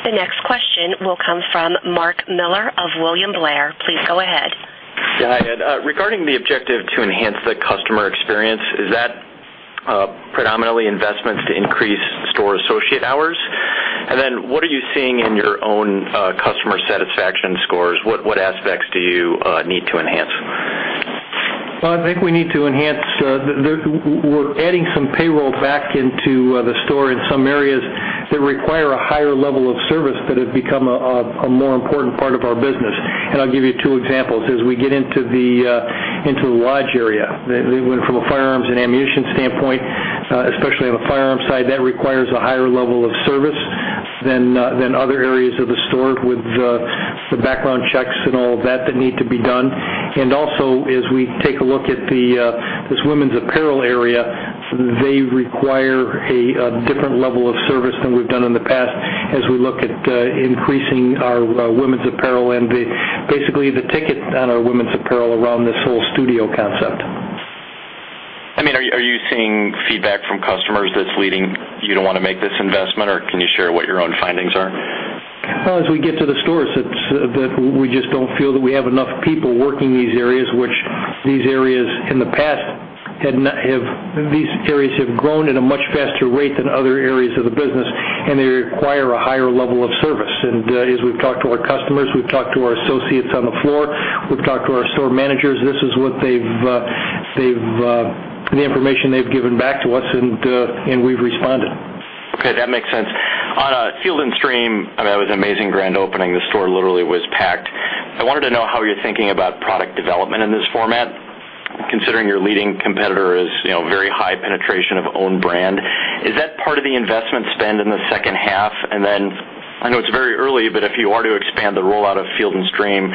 The next question will come from Mark Miller of William Blair. Please go ahead. Yeah. Regarding the objective to enhance the customer experience, is that predominantly investments to increase store associate hours? What are you seeing in your own customer satisfaction scores? What aspects do you need to enhance? Well, I think we need to enhance. We're adding some payroll back into the store in some areas that require a higher level of service that have become a more important part of our business. I'll give you two examples. As we get into the lodge area, from a firearms and ammunition standpoint, especially on the firearm side, that requires a higher level of service than other areas of the store with the background checks and all that that need to be done. Also, as we take a look at this women's apparel area, they require a different level of service than we've done in the past as we look at increasing our women's apparel and basically the ticket on our women's apparel around this whole studio concept. Are you seeing feedback from customers that's leading you to want to make this investment, or can you share what your own findings are? As we get to the stores, we just don't feel that we have enough people working these areas. These areas have grown at a much faster rate than other areas of the business, and they require a higher level of service. As we've talked to our customers, we've talked to our associates on the floor, we've talked to our store managers, this is the information they've given back to us, and we've responded. Okay. That makes sense. On Field & Stream, I mean, that was an amazing grand opening. The store literally was packed. I wanted to know how you're thinking about product development in this format, considering your leading competitor has very high penetration of own brand. Is that part of the investment spend in the second half? I know it's very early, but if you are to expand the rollout of Field & Stream,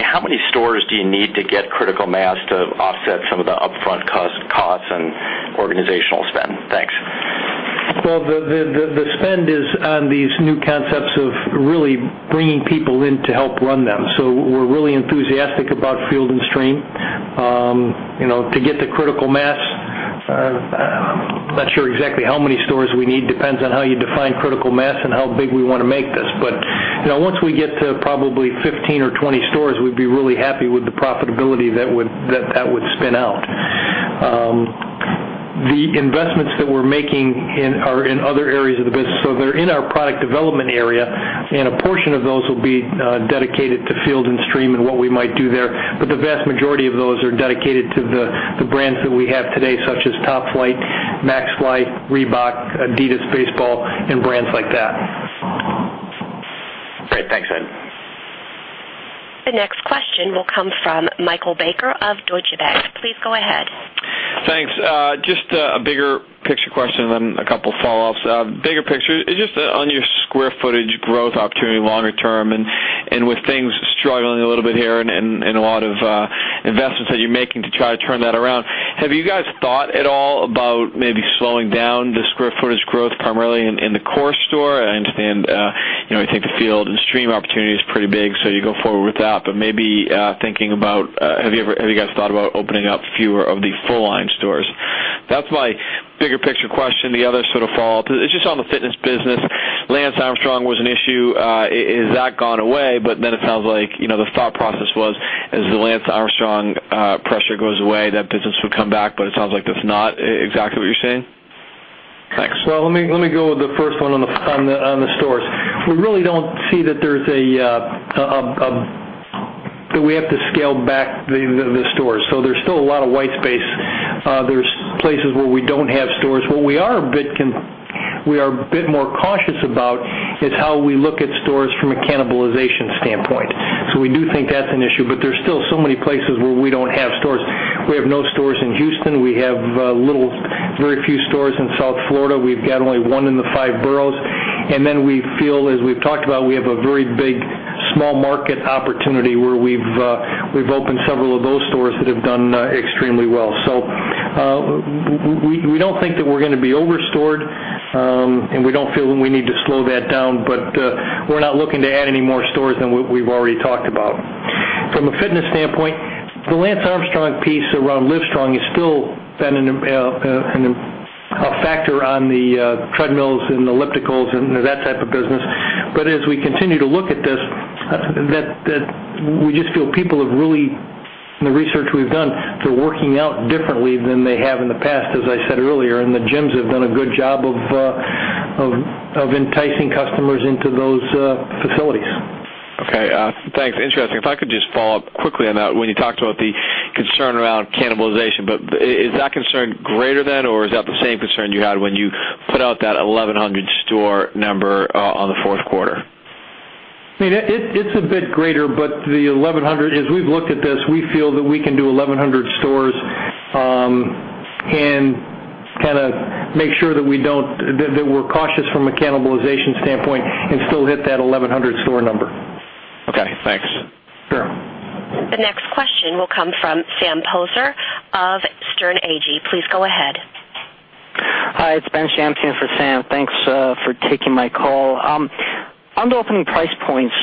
how many stores do you need to get critical mass to offset some of the upfront costs and organizational spend? Thanks. The spend is on these new concepts of really bringing people in to help run them. We're really enthusiastic about Field & Stream. To get to critical mass, I'm not sure exactly how many stores we need. Depends on how you define critical mass and how big we want to make this. Once we get to probably 15 or 20 stores, we'd be really happy with the profitability that would spin out. The investments that we're making are in other areas of the business. They're in our product development area, and a portion of those will be dedicated to Field & Stream and what we might do there. The vast majority of those are dedicated to the brands that we have today, such as Top Flite, Maxfli, Reebok, adidas Baseball, and brands like that. Great. Thanks, Ed. The next question will come from Michael Baker of Deutsche Bank. Please go ahead. Thanks. Just a bigger picture question, then a couple follow-ups. Bigger picture, just on your square footage growth opportunity longer term and with things struggling a little bit here and a lot of investments that you're making to try to turn that around, have you guys thought at all about maybe slowing down the square footage growth primarily in the core store? I understand, I think the Field & Stream opportunity is pretty big, you go forward with that. Maybe thinking about, have you guys thought about opening up fewer of the full-line stores? That's my bigger picture question. The other sort of follow-up is just on the fitness business. Lance Armstrong was an issue. Is that gone away? It sounds like, the thought process was, as the Lance Armstrong pressure goes away, that business would come back. It sounds like that's not exactly what you're saying. Thanks. Let me go with the first one on the stores. We really don't see that we have to scale back the stores. There's still a lot of white space. There's places where we don't have stores. What we are a bit more cautious about is how we look at stores from a cannibalization standpoint. We do think that's an issue, but there's still so many places where we don't have stores. We have no stores in Houston. We have very few stores in South Florida. We've got only one in the five boroughs. Then we feel, as we've talked about, we have a very big small market opportunity where we've opened several of those stores that have done extremely well. We don't think that we're going to be over-stored, and we don't feel that we need to slow that down. We're not looking to add any more stores than what we've already talked about. From a fitness standpoint, the Lance Armstrong piece around Livestrong is still been a factor on the treadmills and ellipticals and that type of business. As we continue to look at this, we just feel people have really, in the research we've done, they're working out differently than they have in the past, as I said earlier. The gyms have done a good job of enticing customers into those facilities. Thanks. Interesting. If I could just follow up quickly on that, when you talked about the concern around cannibalization. Is that concern greater then, or is that the same concern you had when you put out that 1,100 store number on the fourth quarter? It's a bit greater. The 1,100, as we've looked at this, we feel that we can do 1,100 stores and kind of make sure that we're cautious from a cannibalization standpoint and still hit that 1,100 store number. Okay, thanks. Sure. The next question will come from Sam Poser of Sterne Agee. Please go ahead. Hi, it's Ben Shams here for Sam. Thanks for taking my call. On the opening price points,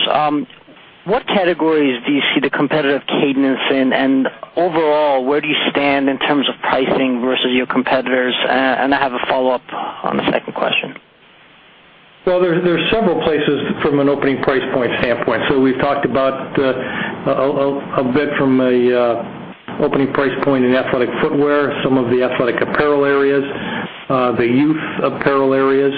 what categories do you see the competitive cadence in? Overall, where do you stand in terms of pricing versus your competitors? I have a follow-up on the second question. There's several places from an opening price point standpoint. We've talked about a bit from an opening price point in athletic footwear, some of the athletic apparel areas, the youth apparel areas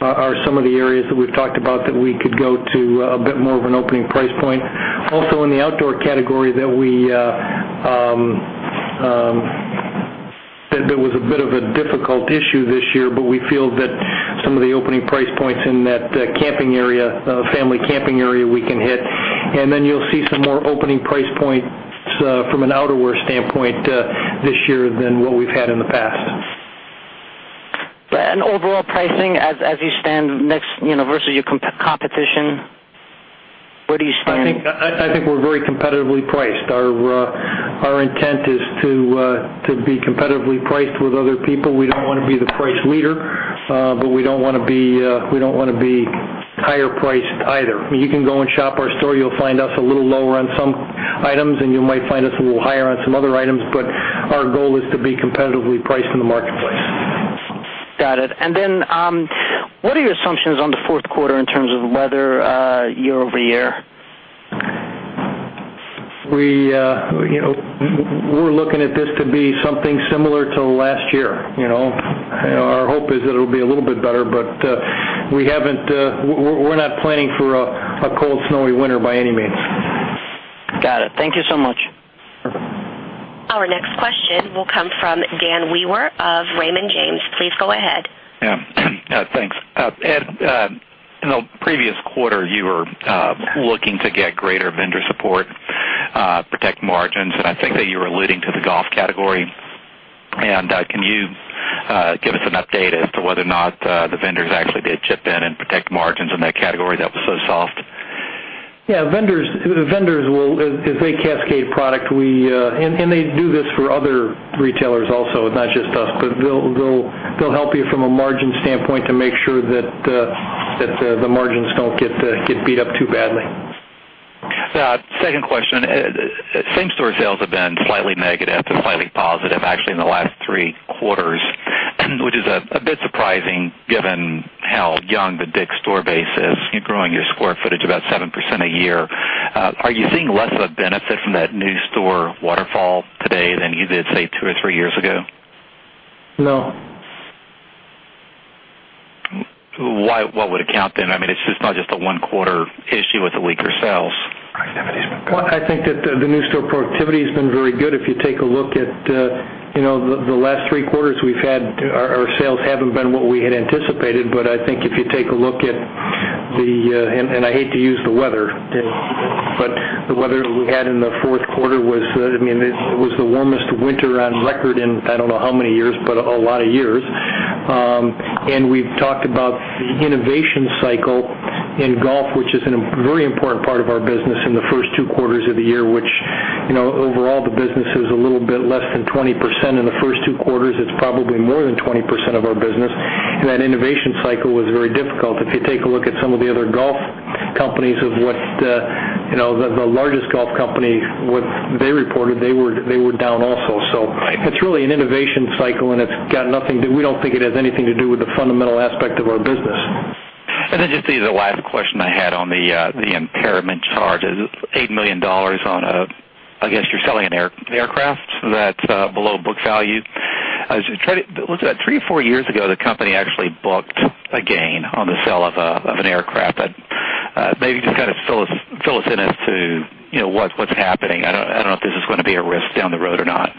are some of the areas that we've talked about that we could go to a bit more of an opening price point. Also, in the outdoor category, there was a bit of a difficult issue this year, but we feel that some of the opening price points in that family camping area, we can hit. You'll see some more opening price points from an outerwear standpoint this year than what we've had in the past. Overall pricing as you stand next versus your competition, where do you stand? I think we're very competitively priced. Our intent is to be competitively priced with other people. We don't want to be the price leader. We don't want to be higher priced either. You can go and shop our store. You'll find us a little lower on some items, and you might find us a little higher on some other items, but our goal is to be competitively priced in the marketplace. Got it. What are your assumptions on the fourth quarter in terms of weather year-over-year? We're looking at this to be something similar to last year. Our hope is that it'll be a little bit better, but we're not planning for a cold, snowy winter by any means. Got it. Thank you so much. Our next question will come from Dan Wewer of Raymond James. Please go ahead. Thanks. Ed, in the previous quarter, you were looking to get greater vendor support, protect margins, and I think that you were alluding to the golf category. Can you give us an update as to whether or not the vendors actually did chip in and protect margins in that category that was so soft? Yeah. Vendors will, if they cascade product, and they do this for other retailers also, not just us, but they'll help you from a margin standpoint to make sure that the margins don't get beat up too badly. Second question. Same-store sales have been slightly negative to slightly positive actually in the last three quarters, which is a bit surprising given how young the DICK’S store base is. You're growing your square footage about 7% a year. Are you seeing less of a benefit from that new store waterfall today than you did, say, two or three years ago? No. Why? What would account then? I mean, it's just not just a one-quarter issue with the weaker sales. I think that the new store productivity has been very good. If you take a look at the last three quarters we've had, our sales haven't been what we had anticipated. I think if you take a look at the weather we had in the fourth quarter was the warmest winter on record in, I don't know how many years, but a lot of years. We've talked about the innovation cycle in golf, which is a very important part of our business in the first two quarters of the year, which overall the business is a little bit less than 20% in the first two quarters. It's probably more than 20% of our business. That innovation cycle was very difficult. If you take a look at some of the other golf companies, the largest golf company, what they reported, they were down also. It's really an innovation cycle, and we don't think it has anything to do with the fundamental aspect of our business. Just the last question I had on the impairment charge. $8 million on, I guess, you're selling an aircraft that's below book value. Was that three or four years ago, the company actually booked a gain on the sale of an aircraft. Maybe just fill us in as to what's happening. I don't know if this is going to be a risk down the road or not.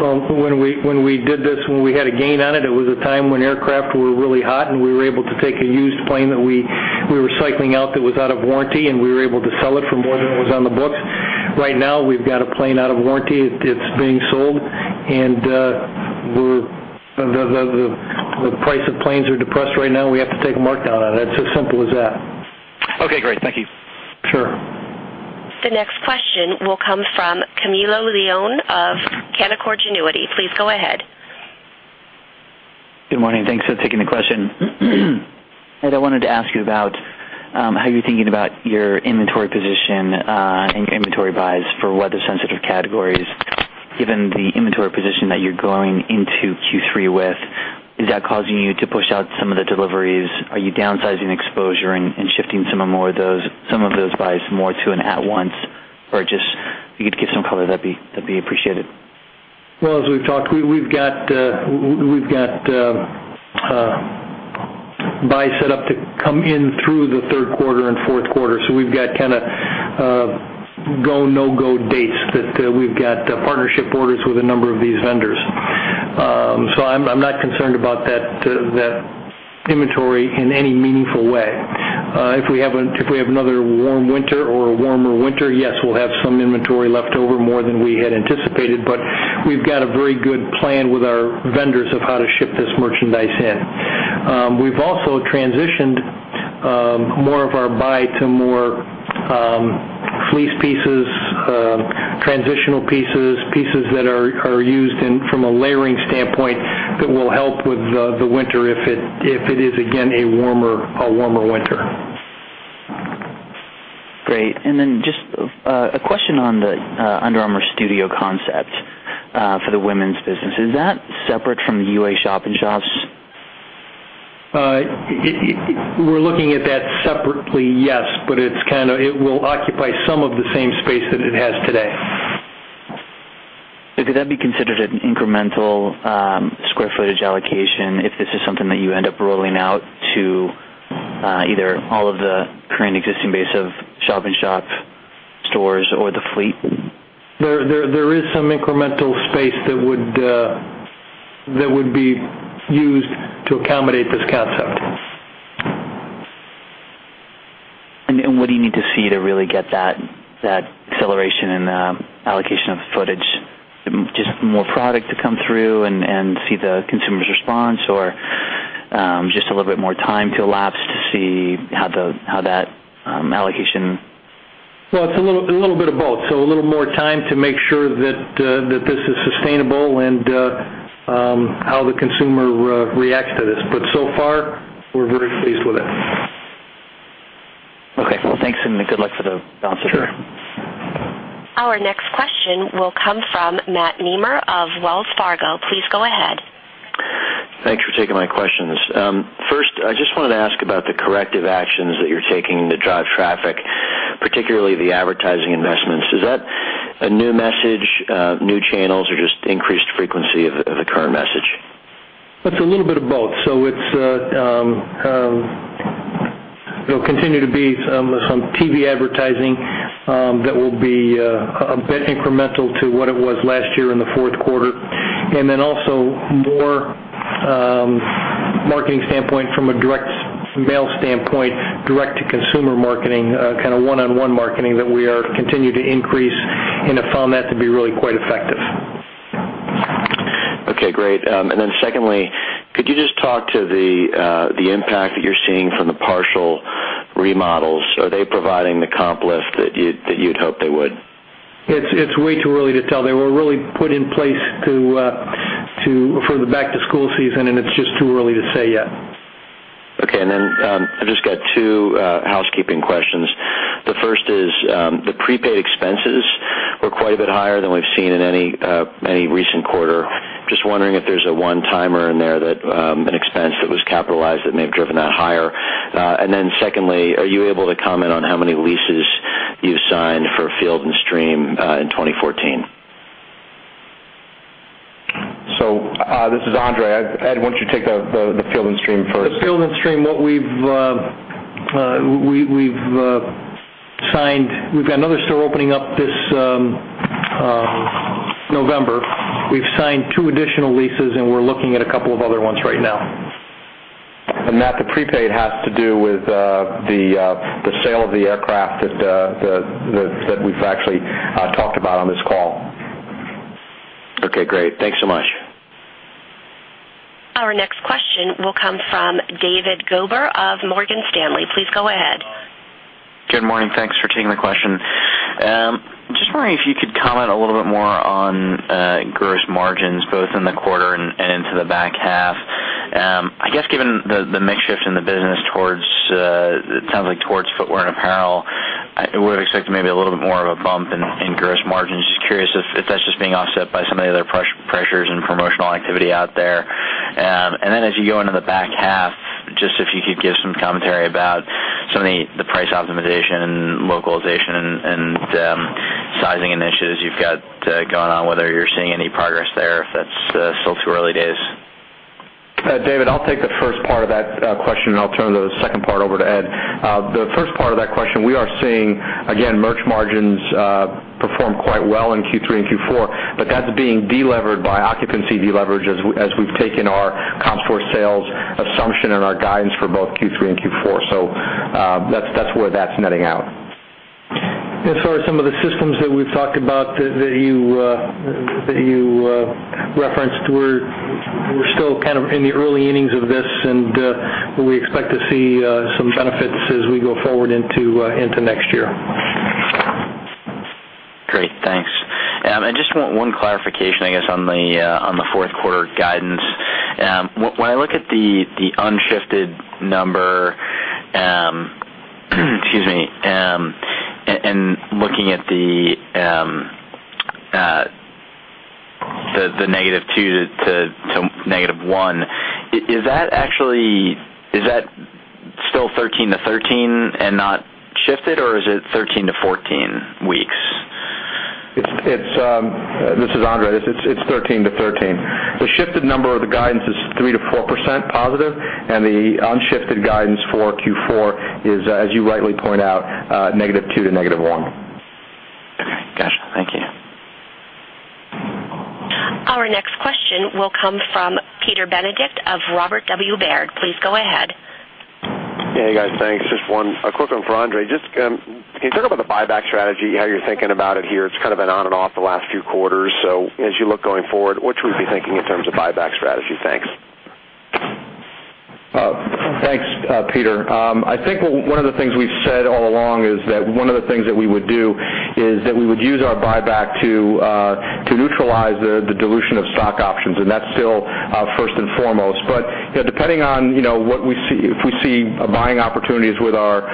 Well, when we did this, when we had a gain on it was a time when aircraft were really hot, and we were able to take a used plane that we were cycling out that was out of warranty, and we were able to sell it for more than it was on the books. Right now, we've got a plane out of warranty. It's being sold, and the price of planes are depressed right now. We have to take a markdown on it. It's as simple as that. Okay, great. Thank you. Sure. The next question will come from Camilo Lyon of Canaccord Genuity. Please go ahead. Good morning. Thanks for taking the question. Ed, I wanted to ask you about how you're thinking about your inventory position and your inventory buys for weather-sensitive categories. Given the inventory position that you're going into Q3 with, is that causing you to push out some of the deliveries? Are you downsizing exposure and shifting some of those buys more to an at-once purchase? If you could give some color, that'd be appreciated. Well, as we've talked, we've got buys set up to come in through the third quarter and fourth quarter. We've got kind of go, no-go dates that we've got partnership orders with a number of these vendors. I'm not concerned about that inventory in any meaningful way. If we have another warm winter or a warmer winter, yes, we'll have some inventory left over more than we had anticipated. We've got a very good plan with our vendors of how to ship this merchandise in. We've also transitioned more of our buy to more fleece pieces, transitional pieces that are used from a layering standpoint that will help with the winter if it is again a warmer winter. Great. Just a question on the Under Armour Studio concept for the women's business. Is that separate from the UA shop-in-shops? We're looking at that separately, yes. It will occupy some of the same space that it has today. Could that be considered an incremental square footage allocation if this is something that you end up rolling out to either all of the current existing base of shop-in-shop stores or the fleet? There is some incremental space that would be used to accommodate this concept. What do you need to see to really get that acceleration and allocation of footage? Just more product to come through and see the consumer's response or just a little bit more time to elapse to see how that allocation? Well, it's a little bit of both. A little more time to make sure that this is sustainable and how the consumer reacts to this. So far, we're very pleased with it. Okay. Well, thanks, good luck for the. Sure. Our next question will come from Matt Nemer of Wells Fargo. Please go ahead. Thanks for taking my questions. First, I just wanted to ask about the corrective actions that you're taking to drive traffic, particularly the advertising investments. Is that a new message, new channels, or just increased frequency of the current message? It's a little bit of both. There'll continue to be some TV advertising that will be a bit incremental to what it was last year in the fourth quarter. Also more marketing standpoint, from a direct mail standpoint, direct-to-consumer marketing, one-on-one marketing that we are continuing to increase and have found that to be really quite effective. Okay, great. Secondly, could you just talk to the impact that you're seeing from the partial remodels? Are they providing the comp lift that you'd hope they would? It's way too early to tell. They were really put in place for the back-to-school season, and it's just too early to say yet. Then I've just got two housekeeping questions. The first is, the prepaid expenses were quite a bit higher than we've seen in any recent quarter. Just wondering if there's a one-timer in there, an expense that was capitalized that may have driven that higher. Then secondly, are you able to comment on how many leases you've signed for Field & Stream in 2014? This is André. Ed, why don't you take the Field & Stream first? The Field & Stream, we've got another store opening up this November. We've signed two additional leases, we're looking at a couple of other ones right now. Matt, the prepaid has to do with the sale of the aircraft that we've actually talked about on this call. Okay, great. Thanks so much. Our next question will come from David Gober of Morgan Stanley. Please go ahead. Good morning. Thanks for taking my question. Just wondering if you could comment a little bit more on gross margins, both in the quarter and into the back half. I guess given the mix shift in the business towards footwear and apparel, I would've expected maybe a little bit more of a bump in gross margins. Just curious if that's just being offset by some of the other pressures and promotional activity out there. Then as you go into the back half, just if you could give some commentary about some of the price optimization, localization, and sizing initiatives you've got going on, whether you're seeing any progress there or if that's still too early days. David, I'll take the first part of that question, and I'll turn the second part over to Ed. The first part of that question, we are seeing, again, merch margins perform quite well in Q3 and Q4, but that's being delevered by occupancy deleverage as we've taken our comp store sales assumption and our guidance for both Q3 and Q4. That's where that's netting out. Are some of the systems that we've talked about that you referenced. We're still kind of in the early innings of this, and we expect to see some benefits as we go forward into next year. Great. Thanks. I just want one clarification, I guess, on the fourth quarter guidance. When I look at the unshifted number and looking at the negative two to negative one, is that still 13-13 and not shifted, or is it 13-14 weeks? This is André. It's 13-13. The shifted number of the guidance is 3%-4% positive, and the unshifted guidance for Q4 is, as you rightly point out, negative two to negative one. Okay, gotcha. Thank you. Our next question will come from Peter Benedict of Robert W. Baird. Please go ahead. Hey, guys. Thanks. Just a quick one for André Hawaux. Can you talk about the buyback strategy, how you're thinking about it here? It's kind of been on and off the last few quarters. As you look going forward, what should we be thinking in terms of buyback strategy? Thanks. Thanks, Peter. I think one of the things we've said all along is that one of the things that we would do is that we would use our buyback to neutralize the dilution of stock options, and that's still first and foremost. Depending on if we see buying opportunities with our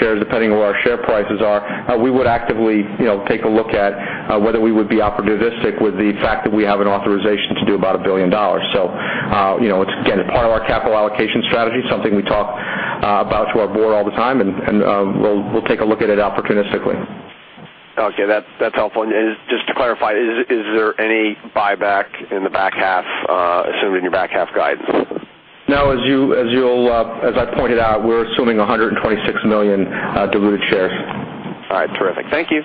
shares, depending on where our share prices are, we would actively take a look at whether we would be opportunistic with the fact that we have an authorization to do about $1 billion. It's, again, part of our capital allocation strategy, something we talk about to our board all the time, and we'll take a look at it opportunistically. Okay. That's helpful. Just to clarify, is there any buyback in the back half, assuming your back half guidance? No. As I pointed out, we're assuming 126 million diluted shares. All right. Terrific. Thank you.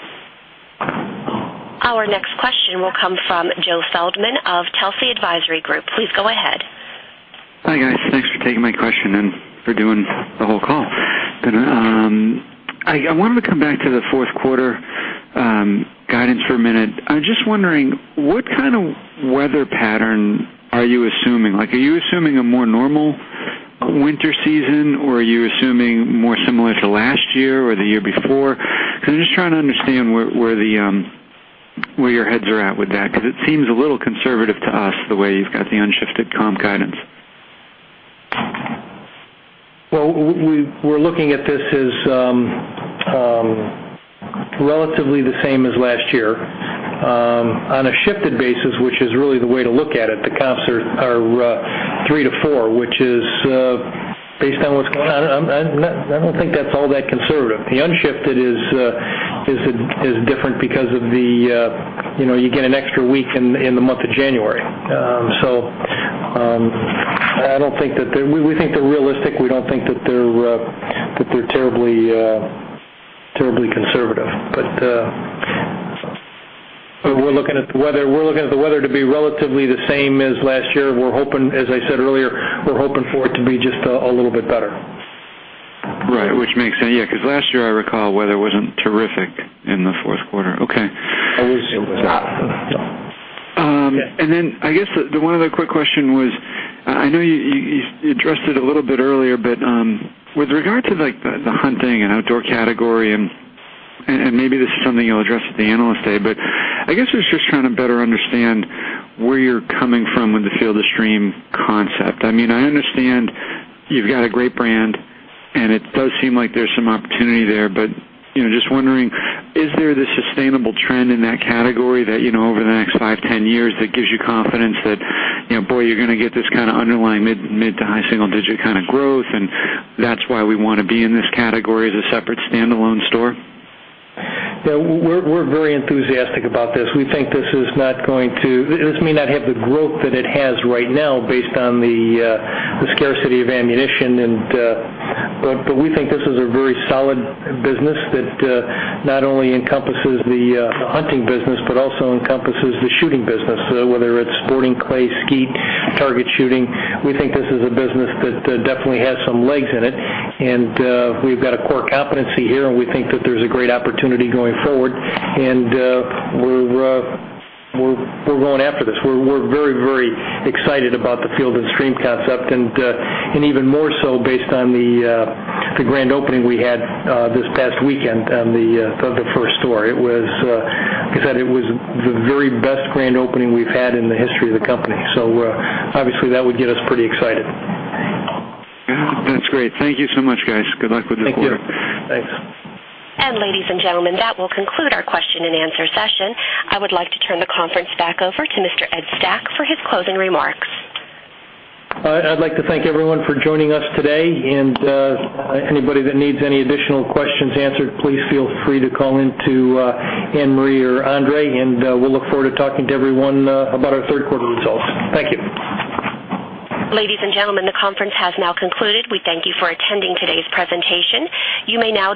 Our next question will come from Joe Feldman of Telsey Advisory Group. Please go ahead. Hi, guys. Thanks for taking my question and for doing the whole call. I wanted to come back to the fourth quarter guidance for a minute. I'm just wondering what kind of weather pattern are you assuming? Are you assuming a more normal winter season, or are you assuming more similar to last year or the year before? Because I'm just trying to understand where your heads are at with that, because it seems a little conservative to us the way you've got the unshifted comp guidance. Well, we're looking at this as relatively the same as last year. On a shifted basis, which is really the way to look at it, the comps are 3%-4%, which is based on what's going on, I don't think that's all that conservative. The unshifted is different because you get an extra week in the month of January. We think they're realistic. We don't think that they're terribly conservative. We're looking at the weather to be relatively the same as last year. As I said earlier, we're hoping for it to be just a little bit better. Right, which makes sense. Yeah, because last year I recall weather wasn't terrific in the fourth quarter. Okay. It was not. Yeah. I guess the one other quick question was, I know you addressed it a little bit earlier, but with regard to the hunting and outdoor category, and maybe this is something you'll address at the Analyst Day, but I guess it's just trying to better understand where you're coming from with the Field & Stream concept. I understand you've got a great brand, and it does seem like there's some opportunity there, but just wondering, is there the sustainable trend in that category that over the next 5, 10 years that gives you confidence that you're going to get this kind of underlying mid to high single digit kind of growth, and that's why we want to be in this category as a separate standalone store? Yeah. We're very enthusiastic about this. This may not have the growth that it has right now based on the scarcity of ammunition, but we think this is a very solid business that not only encompasses the hunting business, but also encompasses the shooting business, whether it's sporting clays, skeet, target shooting. We think this is a business that definitely has some legs in it, and we've got a core competency here, and we think that there's a great opportunity going forward. We're going after this. We're very excited about the Field & Stream concept, and even more so based on the grand opening we had this past weekend on the first store. It was the very best grand opening we've had in the history of the company, so obviously that would get us pretty excited. That's great. Thank you so much, guys. Good luck with the quarter. Thank you. Thanks. Ladies and gentlemen, that will conclude our question and answer session. I would like to turn the conference back over to Mr. Ed Stack for his closing remarks. I'd like to thank everyone for joining us today. Anybody that needs any additional questions answered, please feel free to call into Anne-Marie or André, and we'll look forward to talking to everyone about our third quarter results. Thank you. Ladies and gentlemen, the conference has now concluded. We thank you for attending today's presentation. You may now